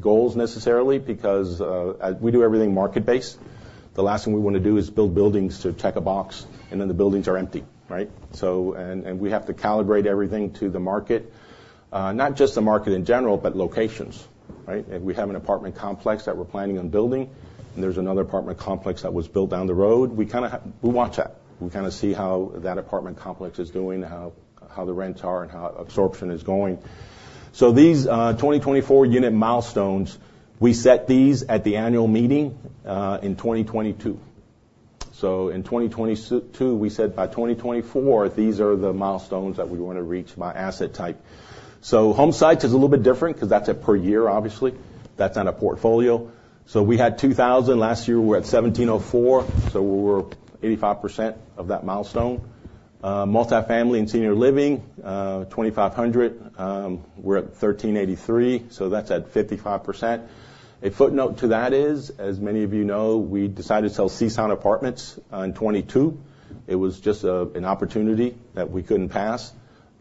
goals necessarily, because we do everything market-based. The last thing we want to do is build buildings to check a box, and then the buildings are empty, right? And we have to calibrate everything to the market. Not just the market in general, but locations, right? If we have an apartment complex that we're planning on building, and there's another apartment complex that was built down the road, we kinda watch that. We kinda see how that apartment complex is doing, how the rents are, and how absorption is going. So these 2024 unit milestones, we set these at the annual meeting in 2022. So in 2022, we said by 2024, these are the milestones that we want to reach by asset type. So home sites is a little bit different because that's a per year, obviously. That's not a portfolio. So we had 2,000. Last year, we were at 1,704, so we were 85% of that milestone. Multifamily and senior living, 2,500, we're at 1,383, so that's at 55%. A footnote to that is, as many of you know, we decided to sell Sea Sound Apartments on 2022. It was just an opportunity that we couldn't pass.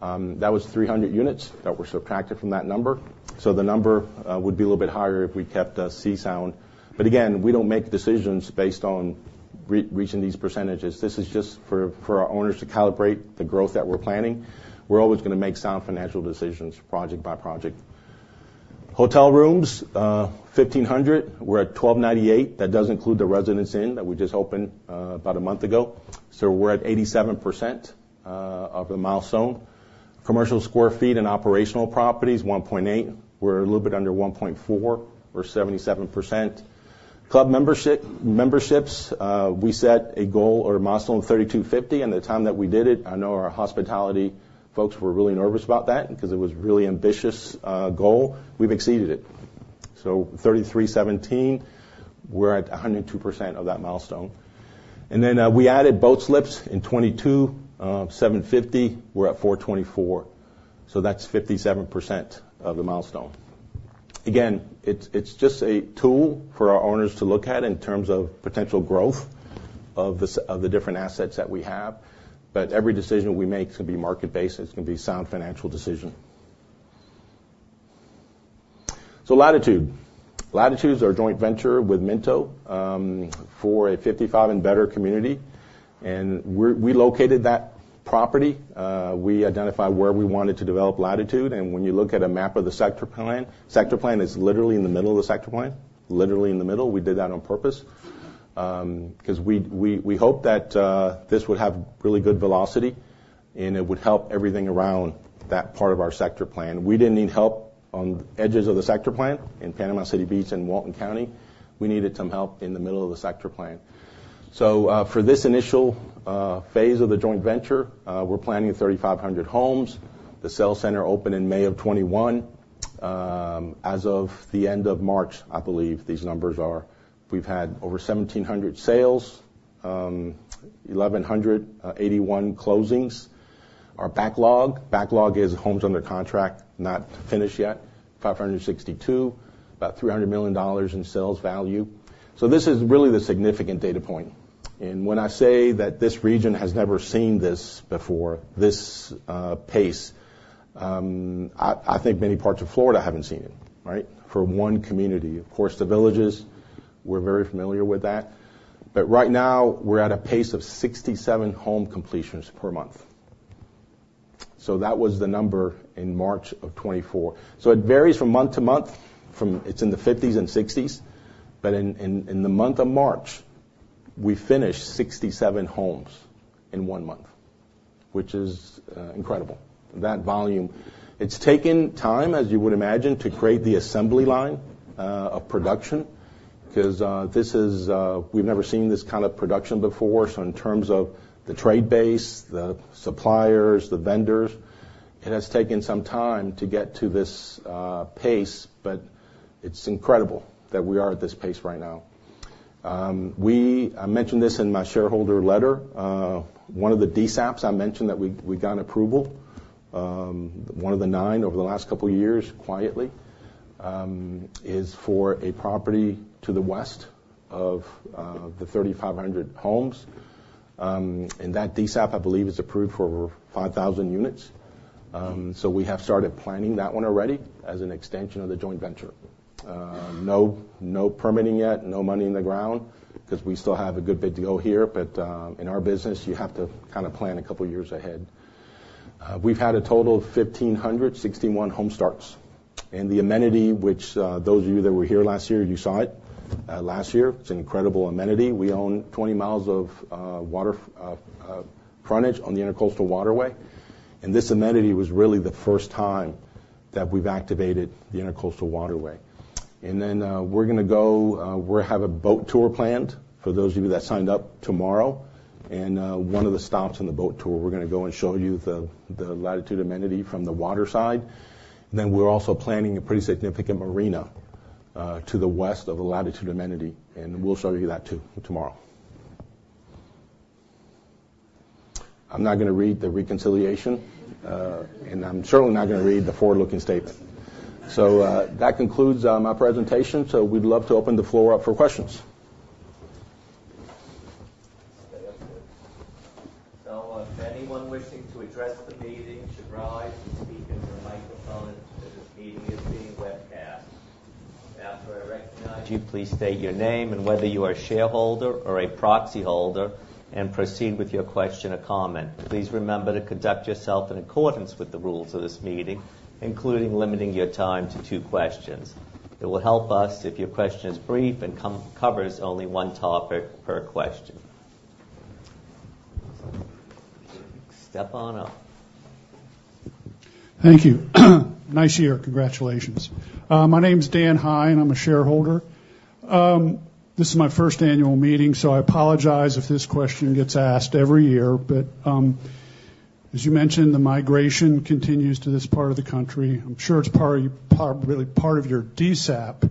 That was 300 units that were subtracted from that number, so the number would be a little bit higher if we kept the Sea Sound. But again, we don't make decisions based on reaching these percentages. This is just for our owners to calibrate the growth that we're planning. We're always gonna make sound financial decisions, project by project. Hotel rooms, 1,500, we're at 1,298. That does include the Residence Inn that we just opened about a month ago. So we're at 87% of the milestone. Commercial sq ft and operational properties, 1.8. We're a little bit under 1.4, or 77%. Club membership, memberships, we set a goal or a milestone of 3,250, and the time that we did it, I know our hospitality folks were really nervous about that because it was a really ambitious goal. We've exceeded it. So 3,317, we're at 102% of that milestone. And then, we added boat slips in 2022, 750, we're at 424, so that's 57% of the milestone. Again, it's just a tool for our owners to look at in terms of potential growth of the different assets that we have, but every decision we make is going to be market-based, it's going to be a sound financial decision. So Latitude. Latitude is our joint venture with Minto for a 55 and better community. We located that property, we identified where we wanted to develop Latitude, and when you look at a map of the Sector Plan, Sector Plan is literally in the middle of the Sector Plan, literally in the middle. We did that on purpose, 'cause we hope that this would have really good velocity, and it would help everything around that part of our Sector Plan. We didn't need help on the edges of the Sector Plan in Panama City Beach and Walton County. We needed some help in the middle of the Sector Plan. So, for this initial phase of the joint venture, we're planning 3,500 homes. The sales center opened in May of 2021. As of the end of March, I believe these numbers are--we've had over 1,700 sales, 1,181 closings. Our backlog, backlog is homes under contract, not finished yet, 562, about $300 million in sales value. So this is really the significant data point. And when I say that this region has never seen this before, this pace, I think many parts of Florida haven't seen it, right? For one community. Of course, The Villages, we're very familiar with that, but right now, we're at a pace of 67 home completions per month. So that was the number in March 2024. So it varies from month to month, it's in the 50s and 60s, but in the month of March, we finished 67 homes in one month, which is incredible. That volume. It's taken time, as you would imagine, to create the assembly line of production, 'cause this is--we've never seen this kind of production before, so in terms of the trade base, the suppliers, the vendors, it has taken some time to get to this pace, but it's incredible that we are at this pace right now. I mentioned this in my shareholder letter, one of the DSAPs. I mentioned that we got approval, one of the nine over the last couple of years, quietly, is for a property to the west of the 3,500 homes. So we have started planning that one already as an extension of the joint venture. No, no permitting yet, no money in the ground, 'cause we still have a good bit to go here, but in our business, you have to kind of plan a couple of years ahead. We've had a total of 1,561 home starts, and the amenity, which those of you that were here last year, you saw it last year. It's an incredible amenity. We own 20 miles of water frontage on the Intracoastal Waterway, and this amenity was really the first time that we've activated the Intracoastal Waterway. And then, we're gonna go, we're have a boat tour planned for those of you that signed up tomorrow. And one of the stops on the boat tour, we're gonna go and show you the Latitude amenity from the waterside. Then we're also planning a pretty significant marina, to the west of the Latitude amenity, and we'll show you that, too, tomorrow. I'm not gonna read the reconciliation, and I'm certainly not gonna read the forward-looking statement. So, that concludes my presentation. So we'd love to open the floor up for questions. So, anyone wishing to address the meeting should rise and speak into the microphone, as this meeting is being webcast. After I recognize you, please state your name and whether you are a shareholder or a proxyholder, and proceed with your question or comment. Please remember to conduct yourself in accordance with the rules of this meeting, including limiting your time to two questions. It will help us if your question is brief and covers only one topic per question. Step on up. Thank you. Nice year. Congratulations. My name is Dan Haigh, and I'm a shareholder. This is my first annual meeting, so I apologize if this question gets asked every year, but, as you mentioned, the migration continues to this part of the country. I'm sure it's part of your, part, really part of your DSAP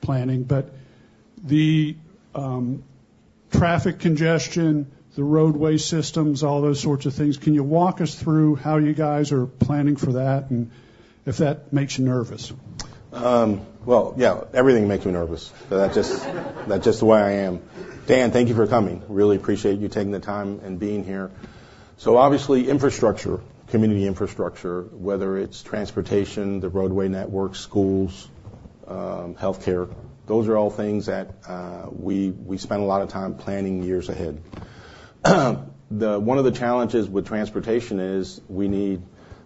planning, but the, traffic congestion, the roadway systems, all those sorts of things, can you walk us through how you guys are planning for that, and if that makes you nervous? Well, yeah, everything makes me nervous. But that's just, that's just the way I am. Dan, thank you for coming. Really appreciate you taking the time and being here. So obviously, infrastructure, community infrastructure, whether it's transportation, the roadway network, schools, healthcare, those are all things that we spend a lot of time planning years ahead. One of the challenges with transportation is we need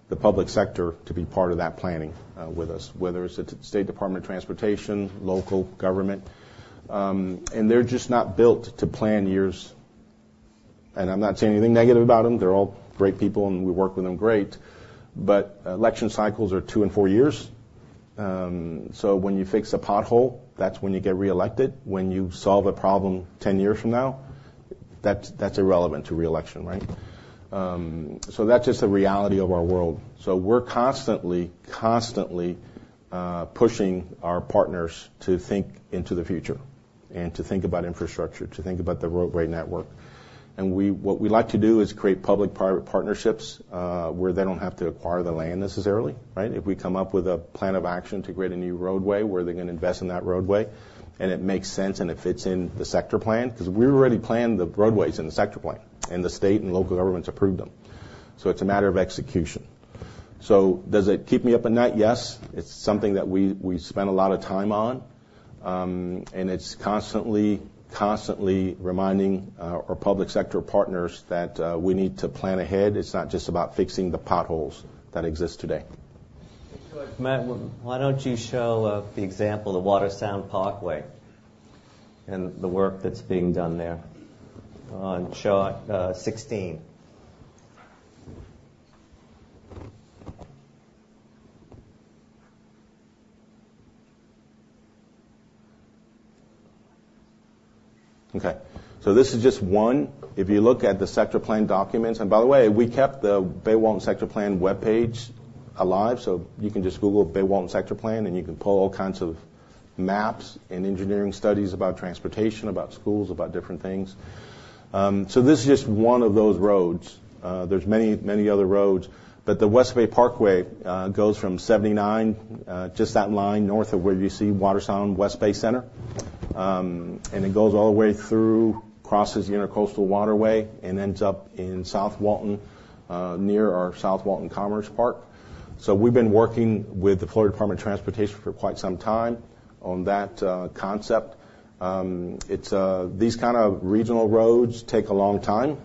the public sector to be part of that planning with us, whether it's the State Department of Transportation, local government. And they're just not built to plan years. And I'm not saying anything negative about them. They're all great people, and we work with them great. But election cycles are two and four years. So when you fix a pothole, that's when you get reelected. When you solve a problem 10 years from now, that's, that's irrelevant to reelection, right? So that's just the reality of our world. So we're constantly, constantly, pushing our partners to think into the future and to think about infrastructure, to think about the roadway network. And what we like to do is create public-private partnerships, where they don't have to acquire the land necessarily, right? If we come up with a plan of action to create a new roadway, where they're going to invest in that roadway, and it makes sense, and it fits in the Sector Plan, 'cause we already planned the roadways in the Sector Plan, and the state and local governments approved them. So it's a matter of execution. So does it keep me up at night? Yes, it's something that we, we spend a lot of time on. It's constantly, constantly reminding our public sector partners that we need to plan ahead. It's not just about fixing the potholes that exist today. Matt, why don't you show the example of the Watersound Parkway and the work that's being done there on chart 16? Okay, so this is just one. If you look at the Sector Plan documents. And by the way, we kept the Bay-Walton Sector Plan webpage alive, so you can just Google Bay Walton Sector Plan, and you can pull all kinds of maps and engineering studies about transportation, about schools, about different things. So this is just one of those roads. There's many, many other roads. But the West Bay Parkway goes from 79, just that line north of where you see Watersound, West Bay Center. It goes all the way through, crosses the Intracoastal Waterway, and ends up in South Walton, near our South Walton Commerce Park. So we've been working with the Florida Department of Transportation for quite some time on that concept. These kind of regional roads take a long time,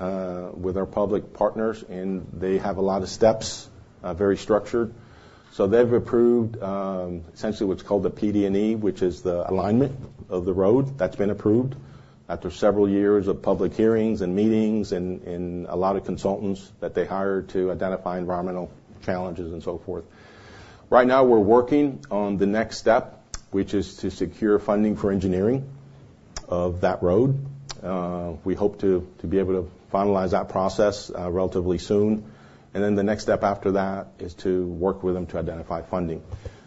with our public partners, and they have a lot of steps, very structured. So they've approved, essentially what's called the PD&E, which is the alignment of the road. That's been approved after several years of public hearings and meetings, and a lot of consultants that they hired to identify environmental challenges and so forth. Right now, we're working on the next step, which is to secure funding for engineering of that road. We hope to be able to finalize that process, relatively soon. And then the next step after that is to work with them to identify funding.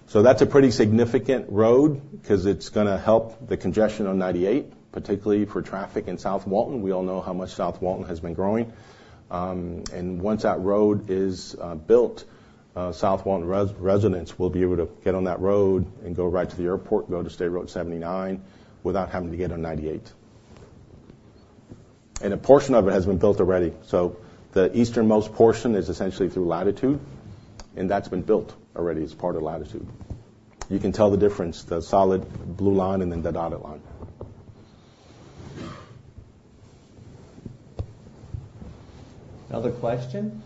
So that's a pretty significant road 'cause it's gonna help the congestion on 98, particularly for traffic in South Walton. We all know how much South Walton has been growing. Once that road is built, South Walton residents will be able to get on that road and go right to the airport, go to State Road 79, without having to get on 98. A portion of it has been built already. The easternmost portion is essentially through Latitude, and that's been built already as part of Latitude. You can tell the difference, the solid blue line, and then the dotted line. Another question?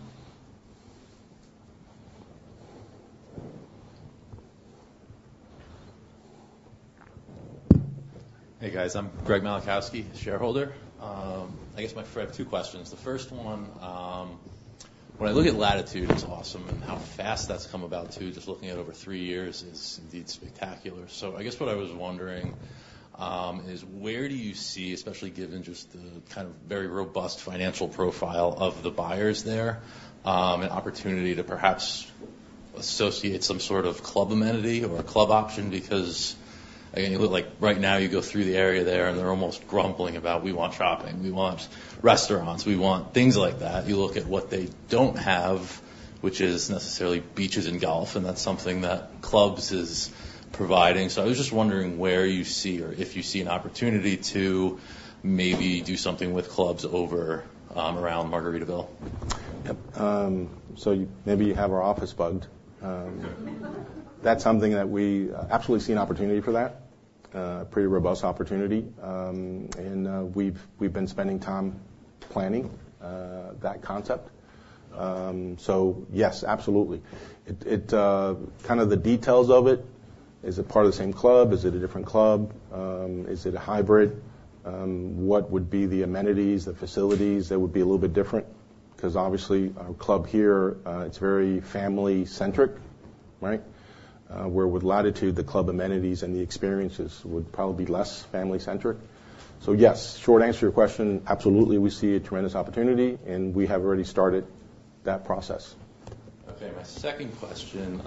Hey, guys. I'm Greg Malachowski, shareholder. I guess I have two questions. The first one, when I look at Latitude, it's awesome, and how fast that's come about, too, just looking at over three years, is indeed spectacular. So I guess what I was wondering, is where do you see, especially given just the kind of very robust financial profile of the buyers there, an opportunity to perhaps associate some sort of club amenity or a club option, because, again, like, right now, you go through the area there, and they're almost grumbling about, "We want shopping, we want restaurants, we want things like that." You look at what they don't have, which is necessarily beaches and golf, and that's something that clubs is providing. I was just wondering where you see or if you see an opportunity to maybe do something with clubs over, around Margaritaville. Yep, so maybe you have our office bugged. That's something that we absolutely see an opportunity for that, pretty robust opportunity. We've been spending time planning that concept. So yes, absolutely. Kind of the details of it, is it part of the same club? Is it a different club? Is it a hybrid? What would be the amenities, the facilities that would be a little bit different? 'Cause obviously, our club here, it's very family-centric, right? Where with Latitude, the club amenities and the experiences would probably be less family-centric. So, yes, short answer to your question, absolutely, we see a tremendous opportunity, and we have already started that process. Okay, my second question,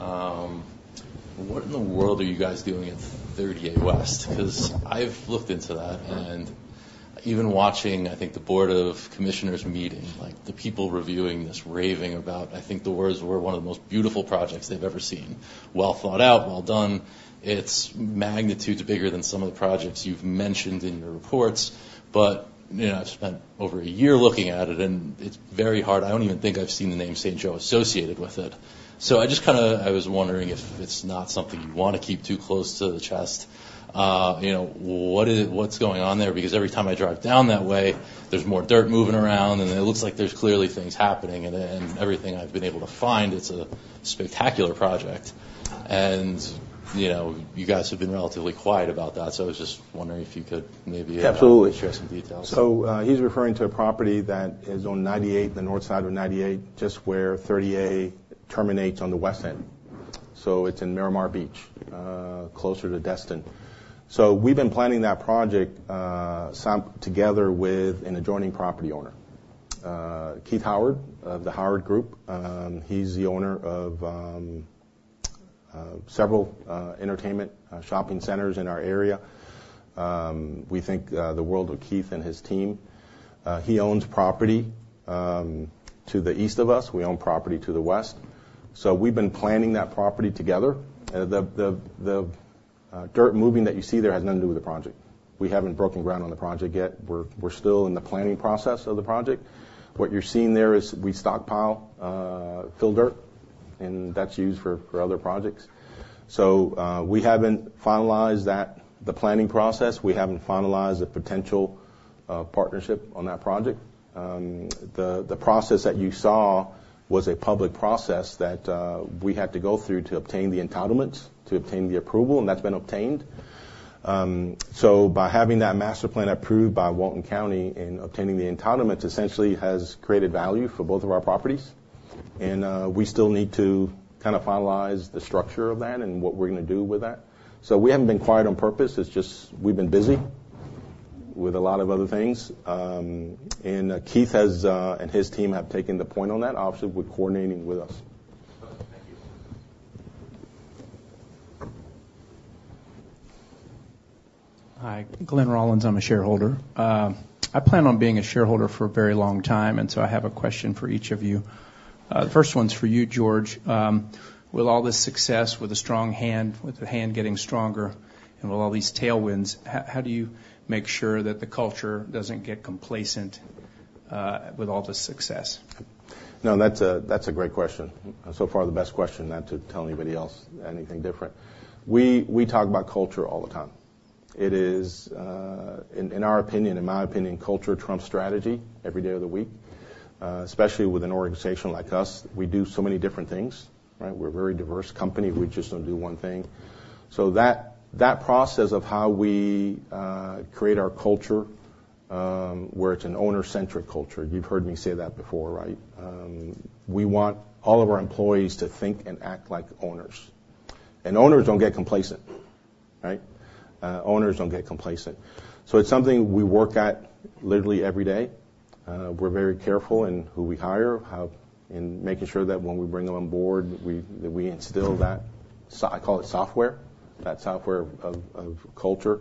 what in the world are you guys doing at 30A West? 'Cause I've looked into that, and even watching, I think, the Board of Commissioners meeting, like, the people reviewing this, raving about, I think the words were, one of the most beautiful projects they've ever seen, well thought out, well done. It's magnitudes bigger than some of the projects you've mentioned in your reports. But, you know, I've spent over a year looking at it, and it's very hard. I don't even think I've seen the name St. Joe associated with it. So I just kinda, I was wondering if it's not something you want to keep too close to the chest. You know, what's going on there? Because every time I drive down that way, there's more dirt moving around, and it looks like there's clearly things happening. And then, everything I've been able to find, it's a spectacular project. And, you know, you guys have been relatively quiet about that, so I was just wondering if you could maybe share some details. So, he's referring to a property that is on 98, the north side of 98, just where 30A terminates on the west end. So it's in Miramar Beach, closer to Destin. So we've been planning that project some together with an adjoining property owner, Keith Howard of the Howard Group. He's the owner of several entertainment shopping centers in our area. We think the world of Keith and his team. He owns property to the east of us, we own property to the west. So we've been planning that property together. The dirt moving that you see there has nothing to do with the project. We haven't broken ground on the project yet. We're still in the planning process of the project. What you're seeing there is we stockpile fill dirt, and that's used for other projects. So, we haven't finalized that, the planning process. We haven't finalized a potential partnership on that project. The process that you saw was a public process that we had to go through to obtain the entitlements, to obtain the approval, and that's been obtained. So by having that master plan approved by Walton County and obtaining the entitlements, essentially has created value for both of our properties. And we still need to kind of finalize the structure of that and what we're gonna do with that. So we haven't been quiet on purpose, it's just we've been busy with a lot of other things. And Keith and his team have taken the point on that, obviously, with coordinating with us. Hi, Glen Rollins, I'm a shareholder. I plan on being a shareholder for a very long time, and so I have a question for each of you. The first one's for you, Jorge. With all this success, with a strong hand, with the hand getting stronger, and with all these tailwinds, how, how do you make sure that the culture doesn't get complacent, with all this success? No, that's a great question. So far, the best question, not to tell anybody else anything different. We talk about culture all the time. It is, in our opinion, in my opinion, culture trumps strategy every day of the week, especially with an organization like us. We do so many different things, right? We're a very diverse company. We just don't do one thing. So that process of how we create our culture, where it's an owner-centric culture, you've heard me say that before, right? We want all of our employees to think and act like owners. And owners don't get complacent, right? Owners don't get complacent. So it's something we work at literally every day. We're very careful in who we hire, how-- In making sure that when we bring them on board, we, that we instill that, so I call it software, that software of, of culture.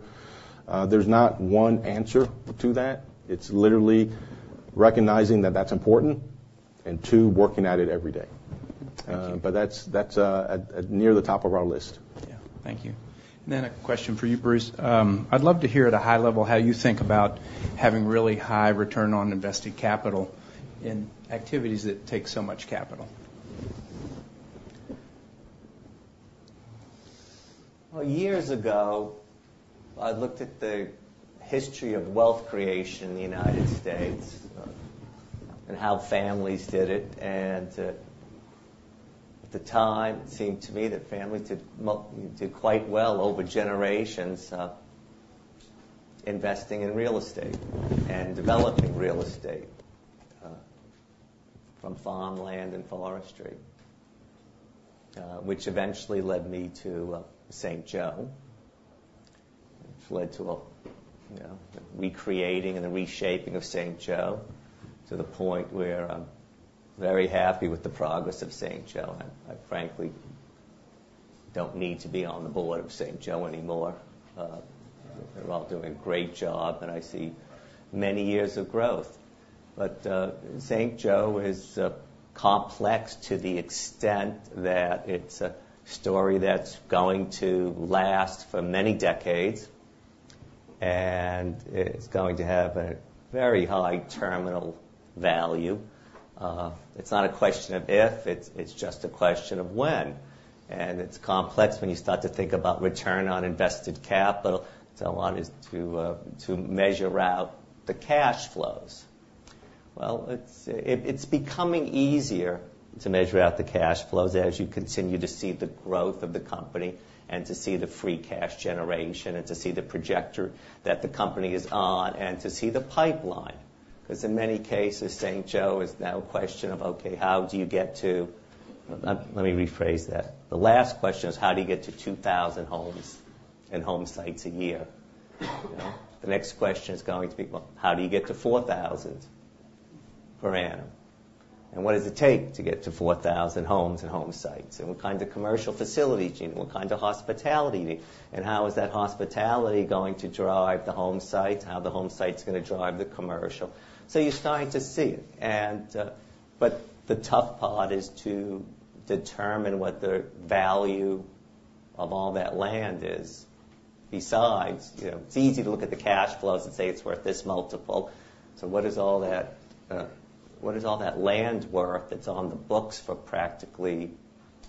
There's not one answer to that. It's literally recognizing that that's important and, two, working at it every day. But that's at near the top of our list. Yeah. Thank you. A question for you, Bruce. I'd love to hear at a high level, how you think about having really high return on invested capital in activities that take so much capital? Well, years ago, I looked at the history of wealth creation in the United States, and how families did it. At the time, it seemed to me that families did quite well over generations, investing in real estate and developing real estate, from farmland and forestry, which eventually led me to St. Joe. Which led to a, you know, recreating and reshaping of St. Joe, to the point where I'm very happy with the progress of St. Joe. I frankly don't need to be on the board of St. Joe anymore. They're all doing a great job, and I see many years of growth. But St. Joe is complex to the extent that it's a story that's going to last for many decades, and it's going to have a very high terminal value. It's not a question of if, it's just a question of when. And it's complex when you start to think about return on invested capital, so I want us to measure out the cash flows. Well, it's becoming easier to measure out the cash flows as you continue to see the growth of the company, and to see the free cash generation, and to see the trajectory that the company is on, and to see the pipeline. Because in many cases, St. Joe is now a question of, okay, how do you get to. Let me rephrase that. The last question is: How do you get to 2,000 homes and home sites a year? The next question is going to be: Well, how do you get to 4,000 per annum? What does it take to get to 4,000 homes and home sites? What kinds of commercial facilities, and what kind of hospitality? And how is that hospitality going to drive the home site? How the home site is gonna drive the commercial. So you're starting to see it, and, but the tough part is to determine what the value of all that land is. Besides, you know, it's easy to look at the cash flows and say it's worth this multiple. So what is all that, what is all that land worth that's on the books for practically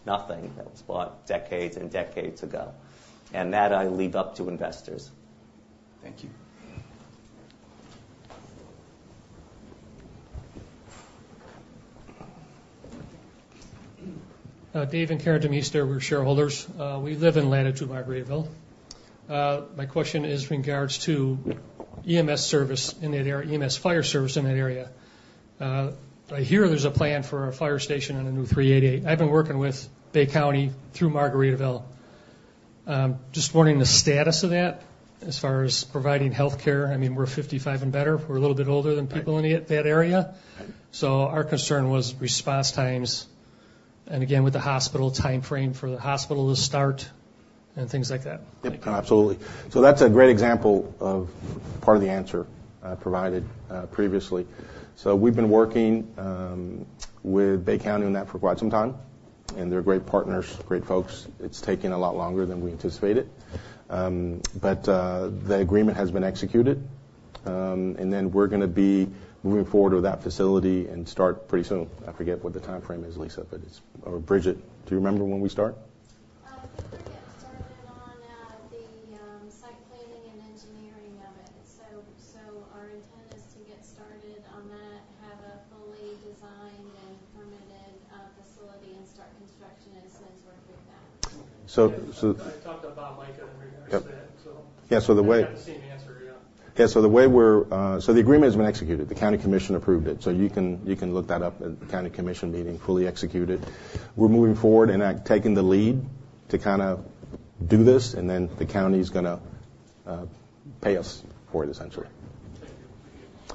nothing, that was bought decades and decades ago? And that I leave up to investors. Dave and Karen DeMeester, we're shareholders. We live in Latitude Margaritaville Watersound. My question is in regards to EMS service in that area, EMS fire service in that area. I hear there's a plan for a fire station on the new 388. I've been working with Bay County through Margaritaville. Just wondering the status of that as far as providing healthcare. I mean, we're 55 and better. We're a little bit older than people in that area. So our concern was response times, and again, with the hospital time frame for the hospital to start and things like that. Yep, absolutely. So that's a great example of part of the answer provided previously. So we've been working with Bay County on that for quite some time, and they're great partners, great folks. It's taking a lot longer than we anticipated. But the agreement has been executed, and then we're gonna be moving forward with that facility and start pretty soon. I forget what the time frame is, Lisa, but it's--or Bridget, do you remember when we start? We're getting started on the site planning and engineering of it. So our intent is to get started on that, have a fully designed and permitted facility, and start construction and some work with that. I talked to Bob Majka in regards to that, so-- Yeah, so the way-- I got the same answer, yeah. So the agreement has been executed. The county commission approved it. So you can, you can look that up at the county commission meeting, fully executed. We're moving forward, and I've taken the lead to kind of do this, and then the county is gonna pay us for it, essentially.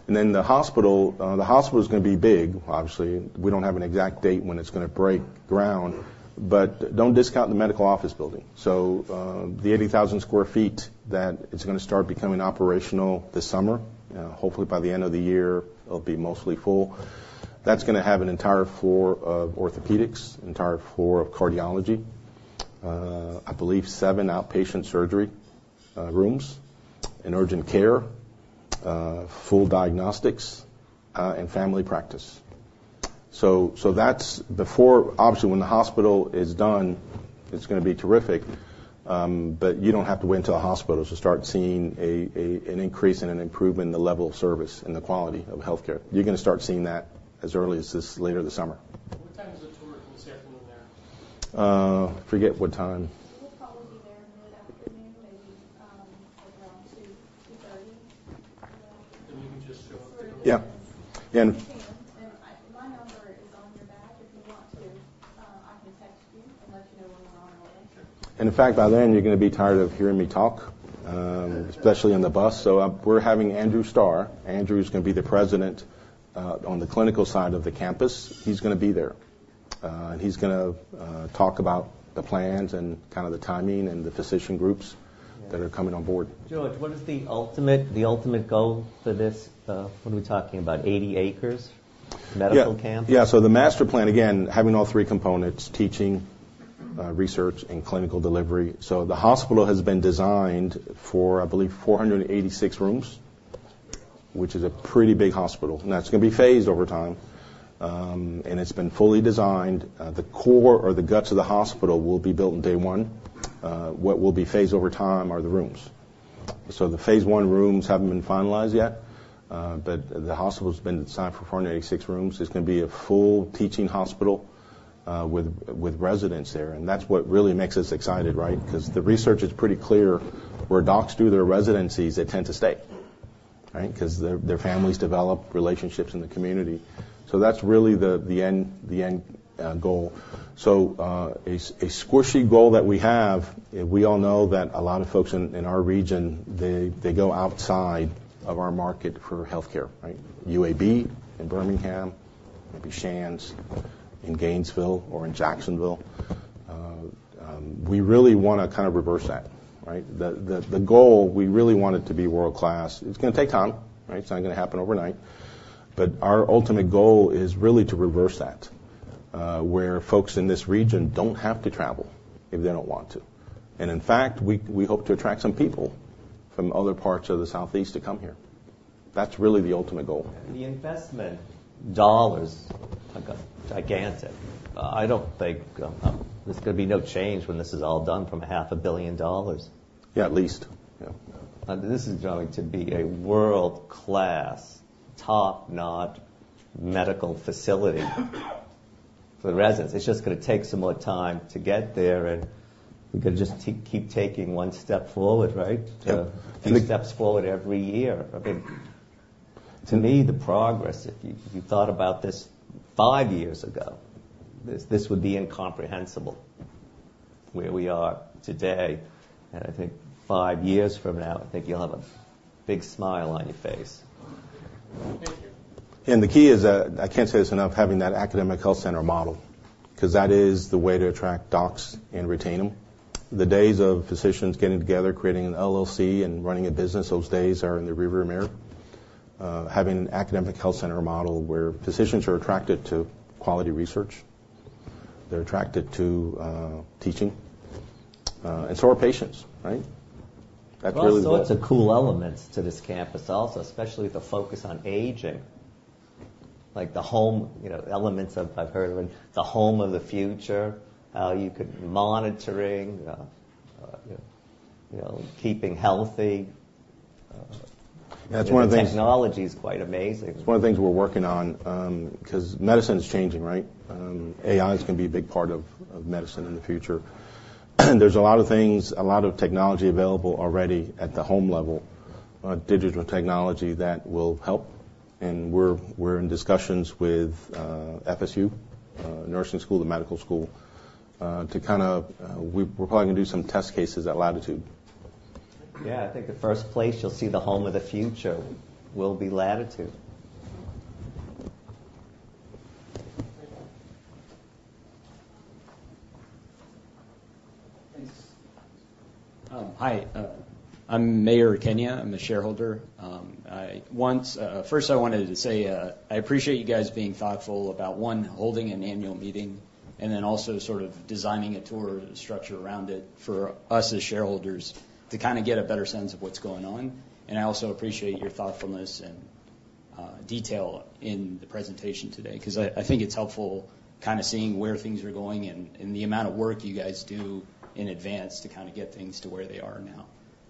Then the hospital is gonna be big, obviously. We don't have an exact date when it's gonna break ground, but don't discount the medical office building. So, the 80,000 sq ft that's gonna start becoming operational this summer. Hopefully, by the end of the year, it'll be mostly full. That's gonna have an entire floor of orthopedics, an entire floor of cardiology, I believe seven outpatient surgery rooms, an urgent care, full diagnostics, and family practice. So that's before. Obviously, when the hospital is done, it's gonna be terrific, but you don't have to wait until the hospital to start seeing an increase and an improvement in the level of service and the quality of healthcare. You're gonna start seeing that as early as later this summer. <audio distortion> What time is the tour this afternoon there? I forget what time. <audio distortion> We will probably be there in the afternoon, maybe, around 2:00 P.M., 2:30 P.M. We can just show up? Yeah. <audio distortion> You can, and I--My number is on your back. If you want to, I can text you and let you know when we're on our way. And in fact, by then, you're gonna be tired of hearing me talk, especially on the bus. So, we're having Andrew Starr. Andrew is gonna be the President, on the clinical side of the campus. He's gonna be there. He's gonna talk about the plans and kind of the timing and the physician groups that are coming on board. Jorge, what is the ultimate, the ultimate goal for this, what are we talking about, 80 acres medical campus? Yeah. So the master plan, again, having all three components: teaching, research, and clinical delivery. So the hospital has been designed for, I believe, 486 rooms, which is a pretty big hospital, and that's gonna be phased over time. And it's been fully designed. The core or the guts of the hospital will be built on day one. What will be phased over time are the rooms. So the phase one rooms haven't been finalized yet, but the hospital has been designed for 486 rooms. It's gonna be a full teaching hospital, with residents there, and that's what really makes us excited, right? 'Cause the research is pretty clear. Where docs do their residencies, they tend to stay, right? 'Cause their families develop relationships in the community. So that's really the end goal. So, a squishy goal that we have, we all know that a lot of folks in our region, they go outside of our market for healthcare, right? UAB in Birmingham, maybe Shands in Gainesville or in Jacksonville. We really wanna kind of reverse that, right? The goal, we really want it to be world-class. It's gonna take time, right? It's not gonna happen overnight. But our ultimate goal is really to reverse that, where folks in this region don't have to travel if they don't want to. And in fact, we hope to attract some people from other parts of the Southeast to come here. That's really the ultimate goal. The investment dollars are gigantic. I don't think, there's gonna be no change when this is all done from $500 million. Yeah, at least. This is going to be a world-class, top-notch medical facility for the residents. It's just gonna take some more time to get there, and we could just keep, keep taking one step forward, right? Yeah. Three steps forward every year. I think, to me, the progress, if you, if you thought about this five years ago, this, this would be incomprehensible, where we are today. I think five years from now, I think you'll have a big smile on your face. Thank you. The key is, I can't say this enough, having that academic health center model, 'cause that is the way to attract docs and retain them. The days of physicians getting together, creating an LLC and running a business, those days are in the rearview mirror. Having an academic health center model where physicians are attracted to quality research, they're attracted to, teaching, and so are patients, right? That's really the-- There are all sorts of cool elements to this campus also, especially the focus on aging. Like, the home, you know, elements of, I've heard of it, the home of the future, remote monitoring, you know, keeping healthy. The technology is quite amazing. It's one of the things we're working on, 'cause medicine is changing, right? AI is gonna be a big part of, of medicine in the future. There's a lot of things, a lot of technology available already at the home level, digital technology that will help, and we're, we're in discussions with FSU nursing school, the medical school, to kind of, we're probably gonna do some test cases at Latitude. Yeah, I think the first place you'll see the home of the future will be Latitude. Thanks. Hi, I'm Mayor Kenya. I'm a shareholder. First I wanted to say, I appreciate you guys being thoughtful about, one, holding an annual meeting, and then also sort of designing a tour structure around it for us as shareholders to kind of get a better sense of what's going on. I also appreciate your thoughtfulness and detail in the presentation today, 'cause I think it's helpful seeing where things are going and the amount of work you guys do in advance to get things to where they are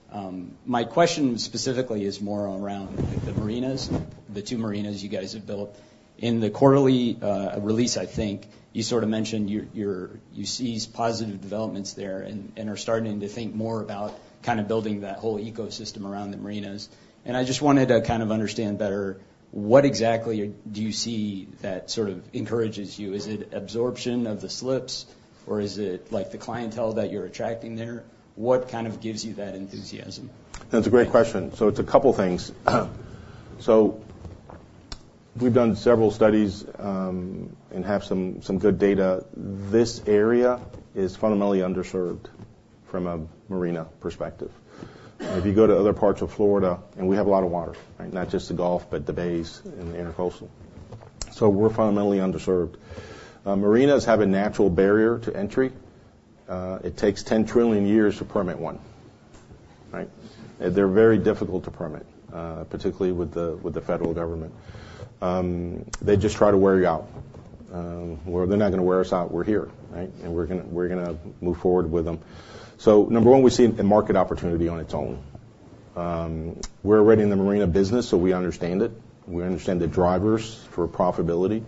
now. My question specifically is more around the marinas, the two marinas you guys have built. In the quarterly release, I think, you sort of mentioned your, your- you see positive developments there and, and are starting to think more about kind of building that whole ecosystem around the marinas. I just wanted to kind of understand better, what exactly do you see that sort of encourages you? Is it absorption of the slips, or is it, like, the clientele that you're attracting there? What kind of gives you that enthusiasm? That's a great question. So it's a couple things. So we've done several studies and have some good data. This area is fundamentally underserved from a marina perspective. If you go to other parts of Florida, and we have a lot of water, right? Not just the Gulf, but the bays and the Intracoastal. So we're fundamentally underserved. Marinas have a natural barrier to entry. It takes 10 trillion years to permit one, right? They're very difficult to permit, particularly with the federal government. They just try to wear you out. Well, they're not gonna wear us out. We're here, right? And we're gonna move forward with them. So number one, we see a market opportunity on its own. We're already in the marina business, so we understand it. We understand the drivers for profitability.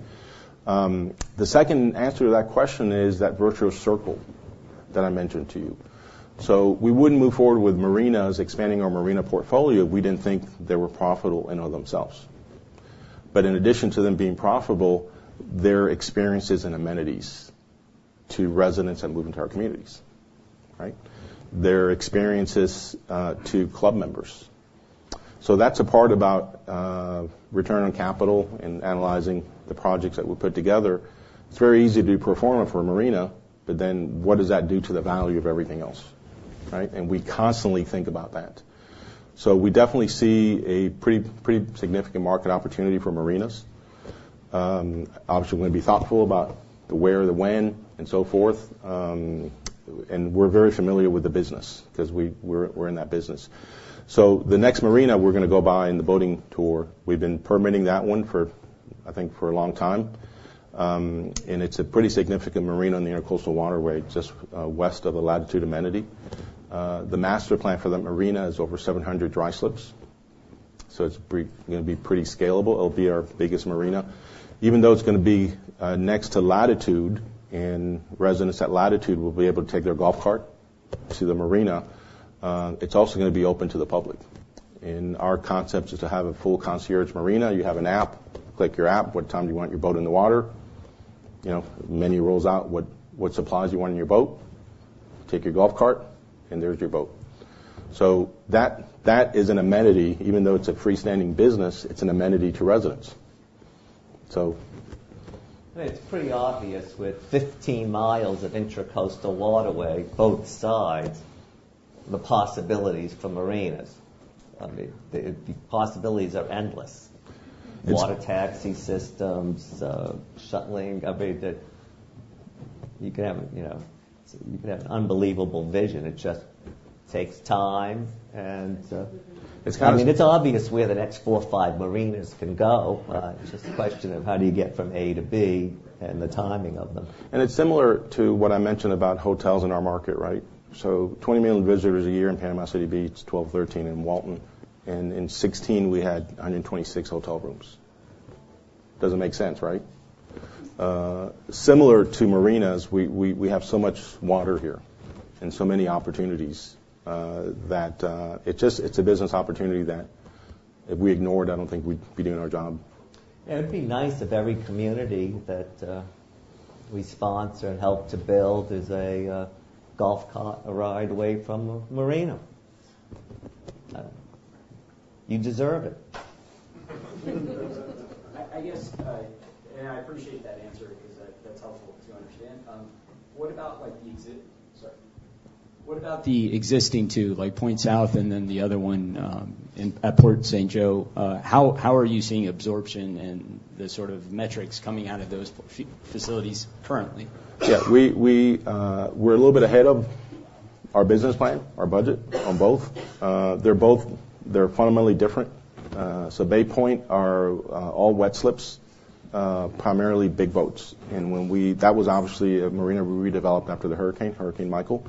The second answer to that question is that virtuous circle that I mentioned to you. So we wouldn't move forward with marinas, expanding our marina portfolio, if we didn't think they were profitable in and of themselves. But in addition to them being profitable, they're experiences and amenities to residents that move into our communities, right? They're experiences to club members. So that's a part about return on capital and analyzing the projects that we put together. It's very easy to do pro forma for a marina, but then what does that do to the value of everything else, right? And we constantly think about that. So we definitely see a pretty, pretty significant market opportunity for marinas. Obviously, we're gonna be thoughtful about the where, the when, and so forth. And we're very familiar with the business 'cause we're in that business. So the next marina we're gonna go buy in the boating tour, we've been permitting that one for, I think, for a long time. And it's a pretty significant marina on the Intracoastal Waterway, just west of the Latitude amenity. The master plan for that marina is over 700 dry slips, so it's gonna be pretty scalable. It'll be our biggest marina. Even though it's gonna be next to Latitude, and residents at Latitude will be able to take their golf cart to the marina, it's also gonna be open to the public. And our concept is to have a full concierge marina. You have an app, click your app, what time you want your boat in the water, you know, menu rolls out, what supplies you want in your boat, take your golf cart, and there's your boat. So that, that is an amenity. Even though it's a freestanding business, it's an amenity to residents. It's pretty obvious with 15 miles of Intracoastal Waterway, both sides, the possibilities for marinas. I mean, the possibilities are endless. Water taxi systems, shuttling. I mean, you can have, you know, you can have unbelievable vision. It just takes time, and I mean, it's obvious where the next four, five marinas can go. It's just a question of how do you get from A to B, and the timing of them. It's similar to what I mentioned about hotels in our market, right? So 20 million visitors a year in Panama City Beach, 12, 13 in Walton, and in 2016, we had 126 hotel rooms. Doesn't make sense, right? Similar to marinas, we have so much water here and so many opportunities that it just—it's a business opportunity that if we ignored, I don't think we'd be doing our job. It would be nice if every community that we sponsor and help to build is a golf cart ride away from a marina. You deserve it. I guess, and I appreciate that answer because that's helpful to understand. What about the existing two, like, Point South, and then the other one in at Port St. Joe? How are you seeing absorption and the sort of metrics coming out of those facilities currently? Yeah, we're a little bit ahead of our business plan, our budget on both. They're both, they're fundamentally different. So Bay Point are all wet slips, primarily big boats. That was obviously a marina we redeveloped after the hurricane, Hurricane Michael.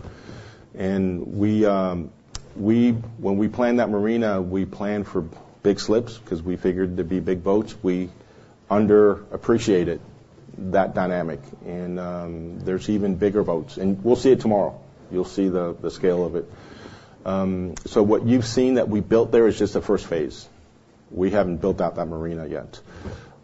And we, when we planned that marina, we planned for big slips because we figured there'd be big boats. We underappreciated that dynamic, and there's even bigger boats, and we'll see it tomorrow. You'll see the scale of it. So what you've seen that we built there is just the first phase. We haven't built out that marina yet.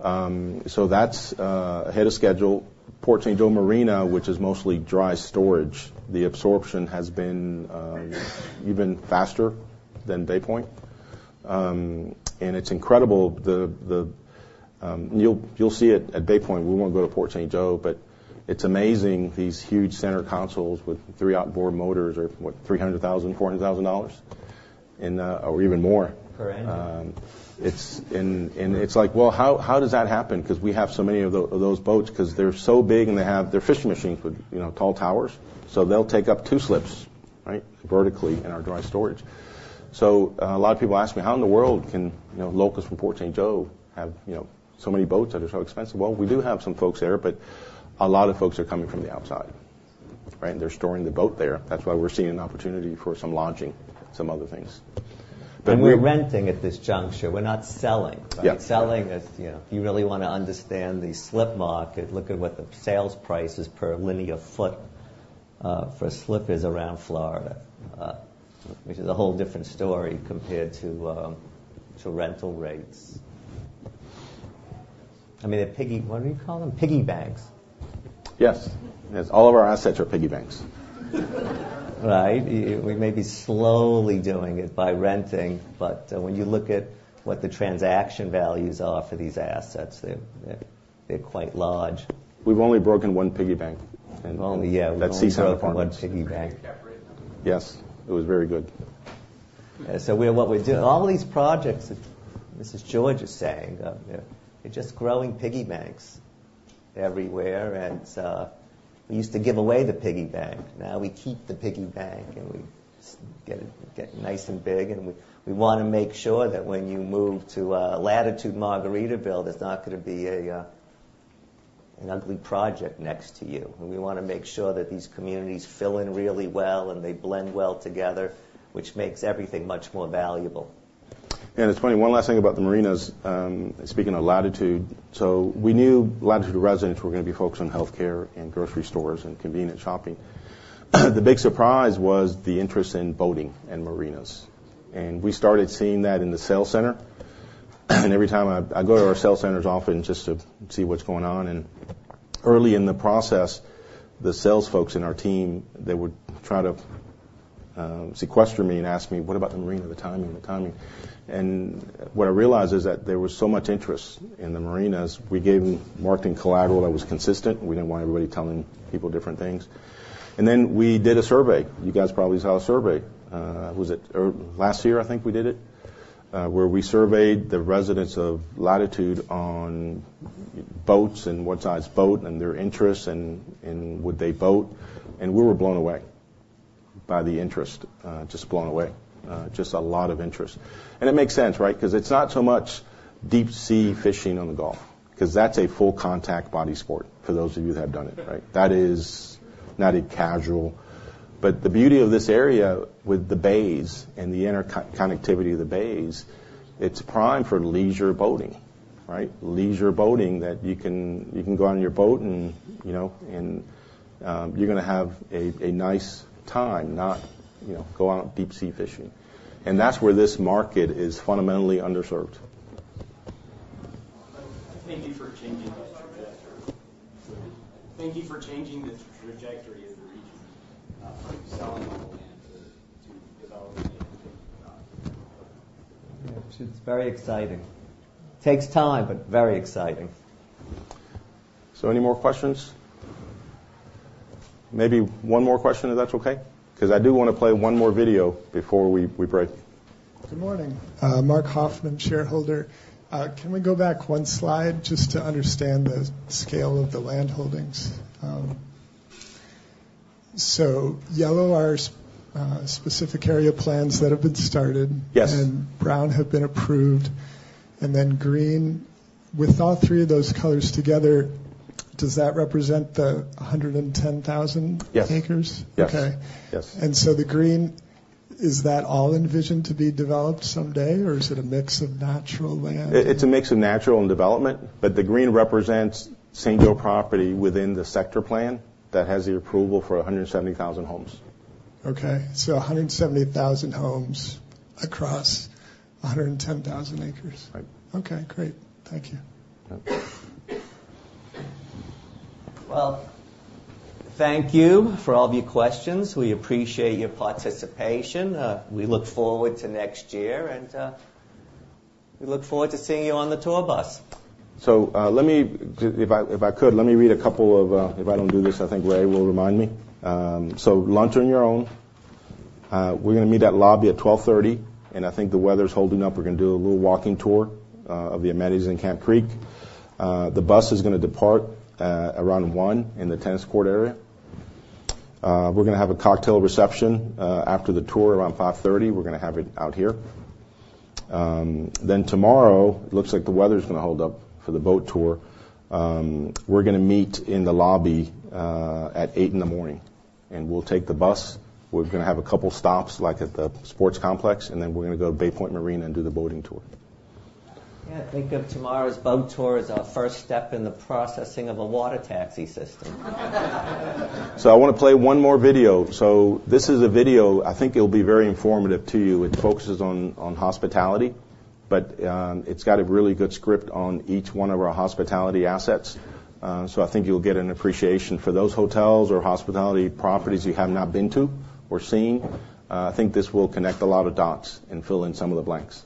So that's ahead of schedule. Port St. Joe Marina, which is mostly dry storage, the absorption has been even faster than Bay Point. And it's incredible. The-- You'll, you'll see it at Bay Point. We won't go to Port St. Joe, but it's amazing, these huge center consoles with three outboard motors are, what, $300,000-$400,000? Or even more. Correct. It's like, well, how does that happen? 'Cause we have so many of those boats, 'cause they're so big, and they have their fishing machines with, you know, tall towers. So they'll take up two slips, right, vertically in our dry storage. So a lot of people ask me, "How in the world can, you know, locals from Port St. Joe have, you know, so many boats that are so expensive?" Well, we do have some folks there, but a lot of folks are coming from the outside, right? And they're storing the boat there. That's why we're seeing an opportunity for some lodging, some other things. We're renting at this juncture. We're not selling. Yeah. Selling is, you know, if you really wanna understand the slip market, look at what the sales price is per linear foot for slips around Florida, which is a whole different story compared to rental rates. I mean, a piggy-- What do you call them? Piggy banks. Yes. Yes, all of our assets are piggy banks. Right? We may be slowly doing it by renting, but when you look at what the transaction values are for these assets, they're quite large. We've only broken one piggy bank. Only, yeah- That Sea Sound Apartments. We've only broken one piggy bank. Can you cap rate them? Yes, it was very good. All these projects that Mr. Jorge is saying, they're just growing piggy banks everywhere, and we used to give away the piggy bank. Now, we keep the piggy bank, and we get it nice and big, and we wanna make sure that when you move to Latitude Margaritaville, there's not gonna be an ugly project next to you. We wanna make sure that these communities fill in really well, and they blend well together, which makes everything much more valuable. It's funny, one last thing about the marinas, speaking of Latitude. We knew Latitude residents were gonna be focused on healthcare and grocery stores and convenient shopping. The big surprise was the interest in boating and marinas. We started seeing that in the sales center. Every time I go to our sales centers often just to see what's going on. Early in the process, the sales folks in our team, they would try to sequester me and ask me, "What about the marina, the timing, the timing?" What I realized is that there was so much interest in the marinas, we gave them marketing collateral that was consistent. We didn't want everybody telling people different things. Then we did a survey. You guys probably saw a survey. Last year, I think we did it, where we surveyed the residents of Latitude on boats and what size boat and their interests and, and would they boat, and we were blown away by the interest, just blown away. Just a lot of interest. And it makes sense, right? 'Cause it's not so much deep-sea fishing on the Gulf, 'cause that's a full contact body sport, for those of you who have done it, right? That is not a casual--but the beauty of this area with the bays and the interconnectivity of the bays, it's prime for leisure boating, right? Leisure boating, that you can, you can go out on your boat and, you know, and, you're gonna have a, a nice time, not, you know, go out on deep-sea fishing. And that's where this market is fundamentally underserved. Thank you for changing the trajectory. Thank you for changing the trajectory of the region, from selling all the land to development. Yeah, it's very exciting. Takes time, but very exciting. So any more questions? Maybe one more question, if that's okay, 'cause I do wanna play one more video before we, we break. Good morning, Mark Hoffman, shareholder. Can we go back one slide just to understand the scale of the land holdings? So yellow are specific area plans that have been started and brown have been approved, and then green. With all three of those colors together, does that represent the 110,000 acres? Yes. Okay. The green, is that all envisioned to be developed someday, or is it a mix of natural land? It's a mix of natural and development, but the green represents St. Joe property within the Sector Plan that has the approval for 170,000 homes. Okay, so 170,000 homes across 110,000 acres? Right. Okay, great. Thank you. Yeah. Well, thank you for all of your questions. We appreciate your participation. We look forward to next year, and we look forward to seeing you on the tour bus. So, let me. If I could, let me read a couple of. If I don't do this, I think Rhea will remind me. So lunch on your own. We're gonna meet at lobby at 12:30 P.M., and I think the weather's holding up. We're gonna do a little walking tour of the amenities in Camp Creek. The bus is gonna depart around 1:00 P.M. in the tennis court area. We're gonna have a cocktail reception after the tour around 5:30 P.M. We're gonna have it out here. Then tomorrow, looks like the weather's gonna hold up for the boat tour. We're gonna meet in the lobby at 8:00 A.M., and we'll take the bus. We're gonna have a couple stops, like at the sports complex, and then we're gonna go to Bay Point Marina and do the boating tour. Yeah, think of tomorrow's boat tour as our first step in the processing of a water taxi system. I want to play one more video. This is a video. I think it'll be very informative to you. It focuses on hospitality, but it's got a really good script on each one of our hospitality assets. So I think you'll get an appreciation for those hotels or hospitality properties you have not been to or seen. I think this will connect a lot of dots and fill in some of the blanks.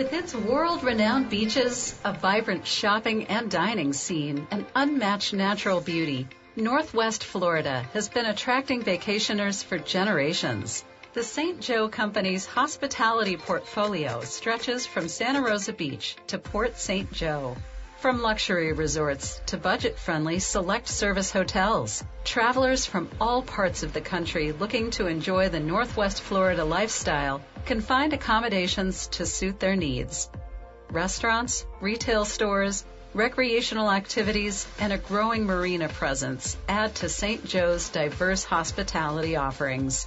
With its world-renowned beaches, a vibrant shopping and dining scene, and unmatched natural beauty, Northwest Florida has been attracting vacationers for generations. The St. Joe Company's hospitality portfolio stretches from Santa Rosa Beach to Port St. Joe. From luxury resorts to budget-friendly select service hotels, travelers from all parts of the country looking to enjoy the Northwest Florida lifestyle can find accommodations to suit their needs. Restaurants, retail stores, recreational activities, and a growing marina presence add to St. Joe's diverse hospitality offerings.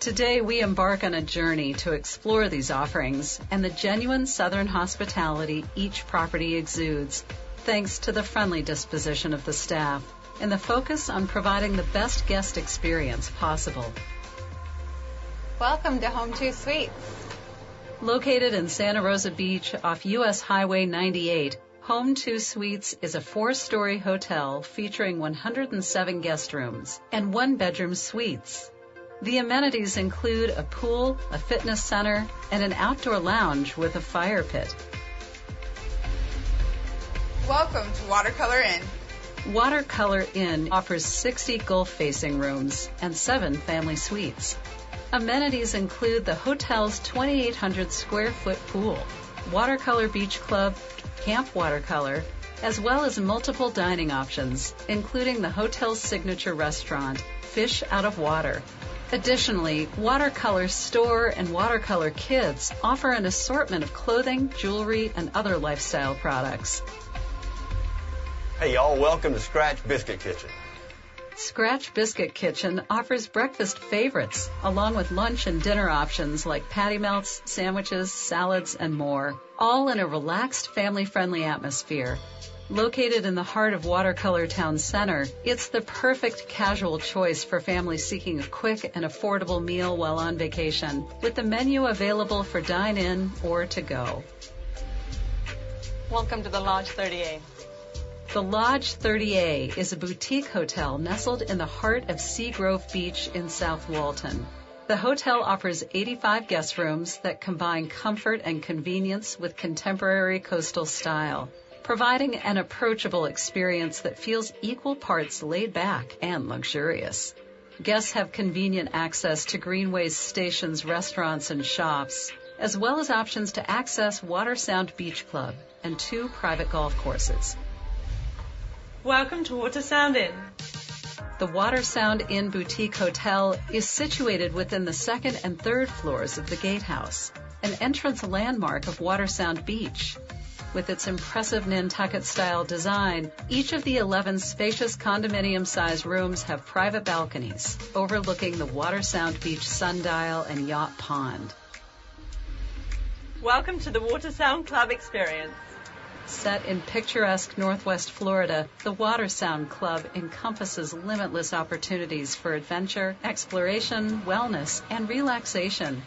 Today, we embark on a journey to explore these offerings and the genuine southern hospitality each property exudes, thanks to the friendly disposition of the staff and the focus on providing the best guest experience possible. Welcome to Home2 Suites. Located in Santa Rosa Beach off U.S. Highway 98, Home2 Suites is a four-story hotel featuring 107 guest rooms and one-bedroom suites. The amenities include a pool, a fitness center, and an outdoor lounge with a fire pit. Welcome to WaterColor Inn. WaterColor Inn offers 60 Gulf-facing rooms and 7 family suites. Amenities include the hotel's 2,800 sq ft pool, WaterColor Beach Club, Camp WaterColor, as well as multiple dining options, including the hotel's signature restaurant, Fish Out of Water. Additionally, WaterColor Store and WaterColor Kids offer an assortment of clothing, jewelry, and other lifestyle products. Hey, y'all, welcome to Scratch Biscuit Kitchen. Scratch Biscuit Kitchen offers breakfast favorites along with lunch and dinner options like patty melts, sandwiches, salads, and more, all in a relaxed, family-friendly atmosphere. Located in the heart of WaterColor Town Center, it's the perfect casual choice for families seeking a quick and affordable meal while on vacation, with the menu available for dine-in or to go. Welcome to The Lodge 30A. The Lodge 30A is a boutique hotel nestled in the heart of Seagrove Beach in South Walton. The hotel offers 85 guest rooms that combine comfort and convenience with contemporary coastal style, providing an approachable experience that feels equal parts laid-back and luxurious. Guests have convenient access to Greenway Station, restaurants, and shops, as well as options to access Watersound Beach Club and two private golf courses. Welcome to Watersound Inn. The Watersound Inn boutique hotel is situated within the second and third floors of the gatehouse, an entrance landmark of Watersound Beach. With its impressive Nantucket-style design, each of the 11 spacious condominium-sized rooms have private balconies overlooking the Watersound Beach Sundial and Yacht Pond. Welcome to the Watersound Club experience. Set in picturesque Northwest Florida, the Watersound Club encompasses limitless opportunities for adventure, exploration, wellness, and relaxation.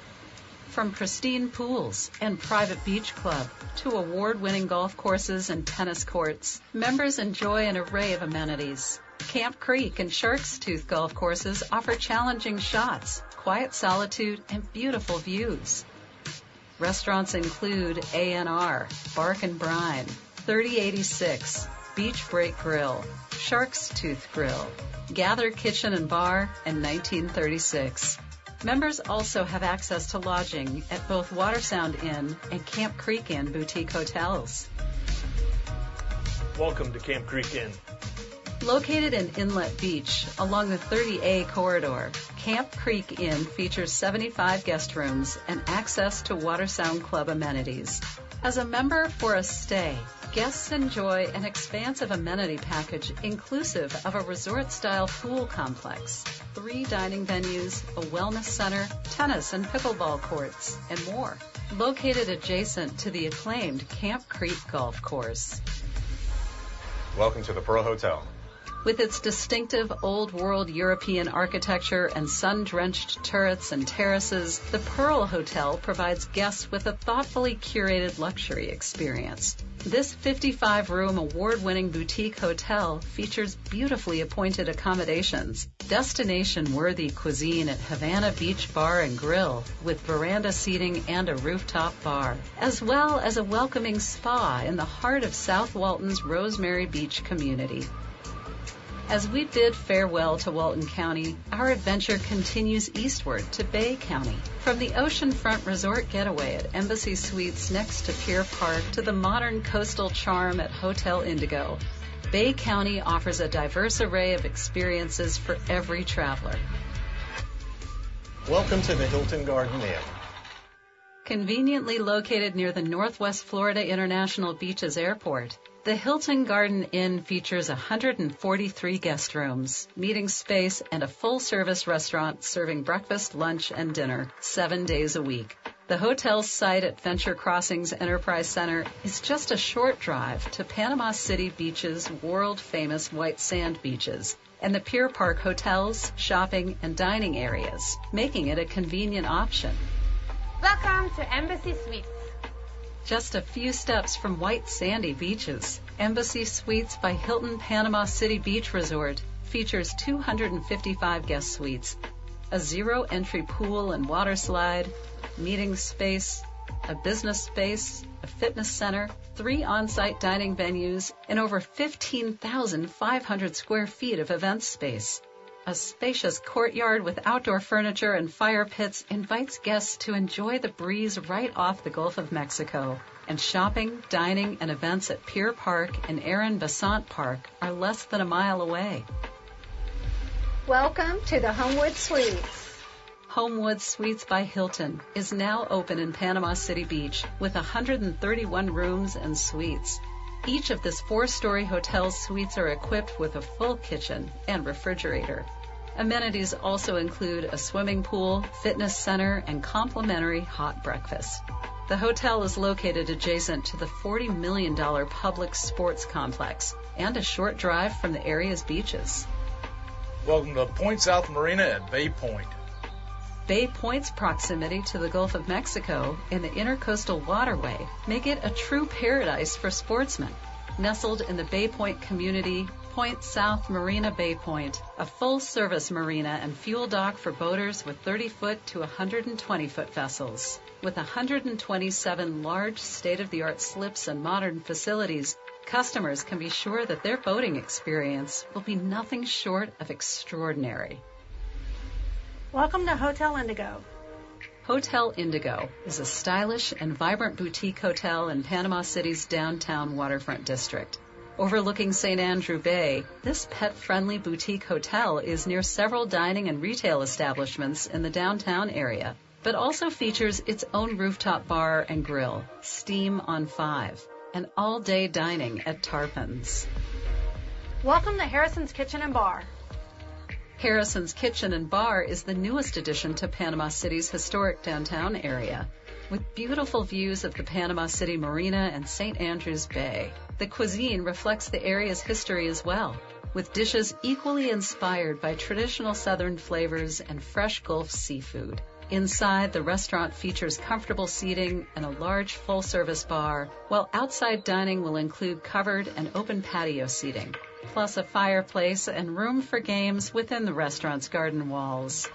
From pristine pools and private beach club to award-winning golf courses and tennis courts, members enjoy an array of amenities. Camp Creek and Shark's Tooth golf courses offer challenging shots, quiet solitude, and beautiful views. Restaurants include ANR, Bark 'N Brine, 30°86°, Beach Break Grill, Shark's Tooth Grill, Gather Kitchen + Bar, and 1936. Members also have access to lodging at both Watersound Inn and Camp Creek Inn boutique hotels. Welcome to Camp Creek Inn. Located in Inlet Beach, along the 30A corridor, Camp Creek Inn features 75 guest rooms and access to Watersound Club amenities. As a member for a stay, guests enjoy an expansive amenity package, inclusive of a resort-style pool complex, three dining venues, a wellness center, tennis and pickleball courts, and more. Located adjacent to the acclaimed Camp Creek Golf Course. Welcome to The Pearl Hotel. With its distinctive old-world European architecture and sun-drenched turrets and terraces, The Pearl Hotel provides guests with a thoughtfully curated luxury experience. This 55-room, award-winning boutique hotel features beautifully appointed accommodations, destination-worthy cuisine at Havana Beach Bar & Grill, with veranda seating and a rooftop bar, as well as a welcoming spa in the heart of South Walton's Rosemary Beach community.... As we bid farewell to Walton County, our adventure continues eastward to Bay County. From the oceanfront resort getaway at Embassy Suites next to Pier Park, to the modern coastal charm at Hotel Indigo, Bay County offers a diverse array of experiences for every traveler. Welcome to the Hilton Garden Inn. Conveniently located near the Northwest Florida International Beaches Airport, the Hilton Garden Inn features 143 guest rooms, meeting space, and a full-service restaurant serving breakfast, lunch, and dinner seven days a week. The hotel site at VentureCrossings Enterprise Center is just a short drive to Panama City Beach's world-famous white sand beaches and the Pier Park hotels, shopping, and dining areas, making it a convenient option. Welcome to Embassy Suites. Just a few steps from white sandy beaches, Embassy Suites by Hilton Panama City Beach Resort features 255 guest suites, a zero-entry pool and water slide, meeting space, a business space, a fitness center, three on-site dining venues, and over 15,500 sq ft of event space. A spacious courtyard with outdoor furniture and fire pits invites guests to enjoy the breeze right off the Gulf of Mexico. Shopping, dining, and events at Pier Park and Aaron Bessant Park are less than a mile away. Welcome to the Homewood Suites. Homewood Suites by Hilton is now open in Panama City Beach with 131 rooms and suites. Each of this four-story hotel suites are equipped with a full kitchen and refrigerator. Amenities also include a swimming pool, fitness center, and complimentary hot breakfast. The hotel is located adjacent to the $40 million public sports complex and a short drive from the area's beaches. Welcome to Point South Marina at Bay Point. Bay Point's proximity to the Gulf of Mexico and the Intracoastal Waterway make it a true paradise for sportsmen. Nestled in the Bay Point community, Point South Marina Bay Point, a full-service marina and fuel dock for boaters with 30-foot to 120-foot vessels. With 127 large state-of-the-art slips and modern facilities, customers can be sure that their boating experience will be nothing short of extraordinary. Welcome to Hotel Indigo. Hotel Indigo is a stylish and vibrant boutique hotel in Panama City's downtown waterfront district. Overlooking St. Andrews Bay, this pet-friendly boutique hotel is near several dining and retail establishments in the downtown area, but also features its own rooftop bar and grill, Steam on 5, and all-day dining at Tarpons. Welcome to Harrison's Kitchen and Bar. Harrison's Kitchen and Bar is the newest addition to Panama City's historic downtown area, with beautiful views of the Panama City Marina and St. Andrews Bay. The cuisine reflects the area's history as well, with dishes equally inspired by traditional Southern flavors and fresh Gulf seafood. Inside, the restaurant features comfortable seating and a large full-service bar, while outside dining will include covered and open patio seating, plus a fireplace and room for games within the restaurant's garden walls.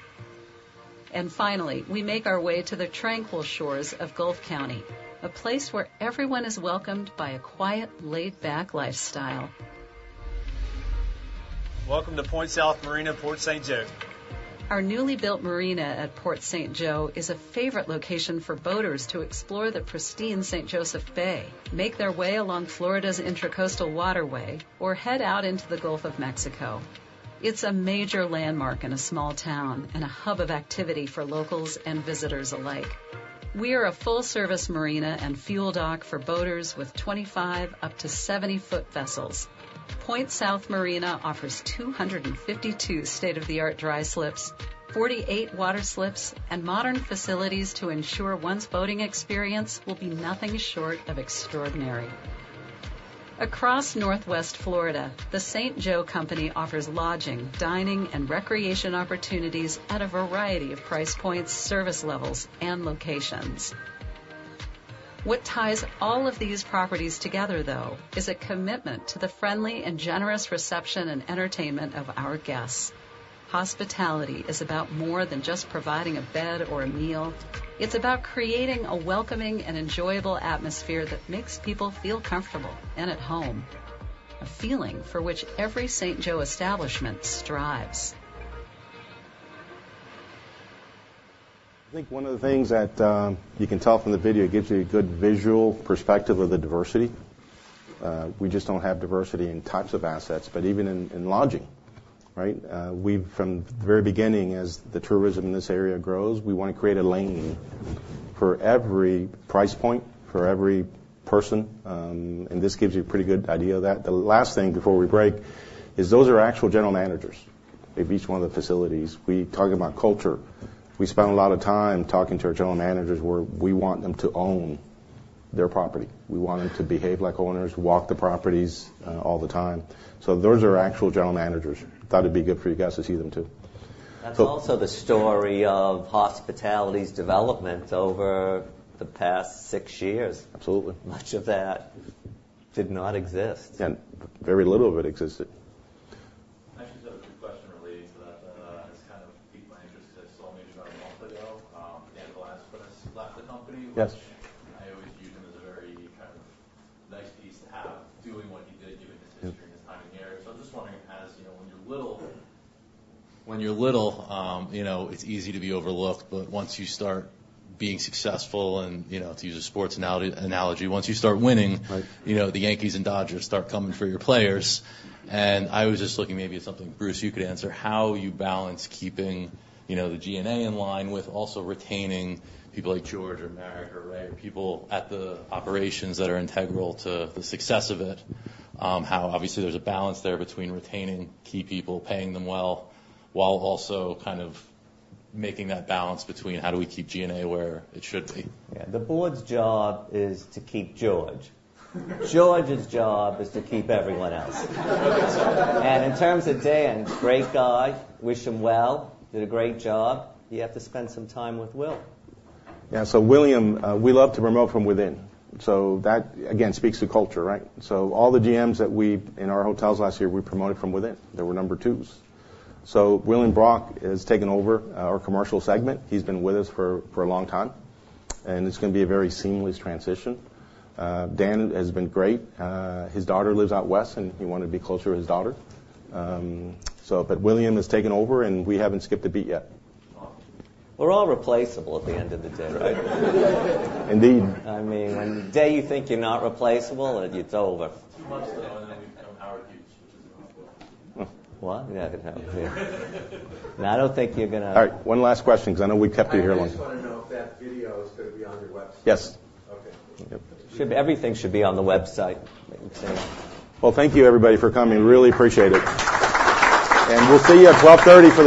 And finally, we make our way to the tranquil shores of Gulf County, a place where everyone is welcomed by a quiet, laid-back lifestyle. Welcome to Point South Marina, Port St. Joe. Our newly built marina at Port St. Joe is a favorite location for boaters to explore the pristine St. Joseph Bay, make their way along Florida's Intracoastal Waterway, or head out into the Gulf of Mexico. It's a major landmark in a small town and a hub of activity for locals and visitors alike. We are a full-service marina and fuel dock for boaters with 25 up to 70-foot vessels. Point South Marina offers 252 state-of-the-art dry slips, 48 water slips, and modern facilities to ensure one's boating experience will be nothing short of extraordinary. Across Northwest Florida, The St. Joe Company offers lodging, dining, and recreation opportunities at a variety of price points, service levels, and locations. What ties all of these properties together, though, is a commitment to the friendly and generous reception and entertainment of our guests. Hospitality is about more than just providing a bed or a meal. It's about creating a welcoming and enjoyable atmosphere that makes people feel comfortable and at home, a feeling for which every St. Joe establishment strives. I think one of the things that you can tell from the video, it gives you a good visual perspective of the diversity. We just don't have diversity in types of assets, but even in lodging, right? We've, from the very beginning, as the tourism in this area grows, we wanna create a lane for every price point, for every person, and this gives you a pretty good idea of that. The last thing before we break is those are actual general managers of each one of the facilities. We talk about culture. We spend a lot of time talking to our general managers, where we want them to own their property. We want them to behave like owners, walk the properties all the time. So those are our actual general managers. Thought it'd be good for you guys to see them, too. That's also the story of hospitality's development over the past six years. Absolutely. Much of that did not exist. Very little of it existed. <audio distortion> I actually just have a quick question relating to that. It's kind of piqued my interest. I saw maybe about a month ago, Dan Velazquez left the company. I always viewed him as a very kind of nice piece to have, doing what he did, given his history and his time in the area. So I'm just wondering, as you know, when you're little, when you're little, you know, it's easy to be overlooked, but once you start being successful and, you know, to use a sports analogy, once you start winning. You know, the Yankees and Dodgers start coming for your players. And I was just looking maybe at something, Bruce, you could answer, how you balance keeping, you know, the SG&A in line with also retaining people like Jorge or Marek or Rhea, or people at the operations that are integral to the success of it? How obviously, there's a balance there between retaining key people, paying them well, while also kind of making that balance between how do we keep SG&A where it should be? Yeah, the board's job is to keep Jorge. Jorge's job is to keep everyone else. And in terms of Dan, great guy, wish him well, did a great job. He have to spend some time with Will. Yeah, so William, we love to promote from within. So that, again, speaks to culture, right? So all the GMs in our hotels last year, we promoted from within. They were number twos. So William Brock has taken over our commercial segment. He's been with us for a long time, and it's gonna be a very seamless transition. Dan has been great. His daughter lives out west, and he wanted to be closer to his daughter. So but William has taken over, and we haven't skipped a beat yet. We're all replaceable at the end of the day, right? Indeed. I mean, when the day you think you're not replaceable, then it's over. <audio distortion> Two months ago, and then you become Howard Hughes, which is impossible. What? Yeah. I don't think you're gonna-- All right, one last question, because I know we kept you here long. <audio distortion> I just want to know if that video is going to be on your website. Yes. Okay. Yep. Everything should be on the website. Well, thank you, everybody, for coming. Really appreciate it. We'll see you at 12:30 P.M. for the--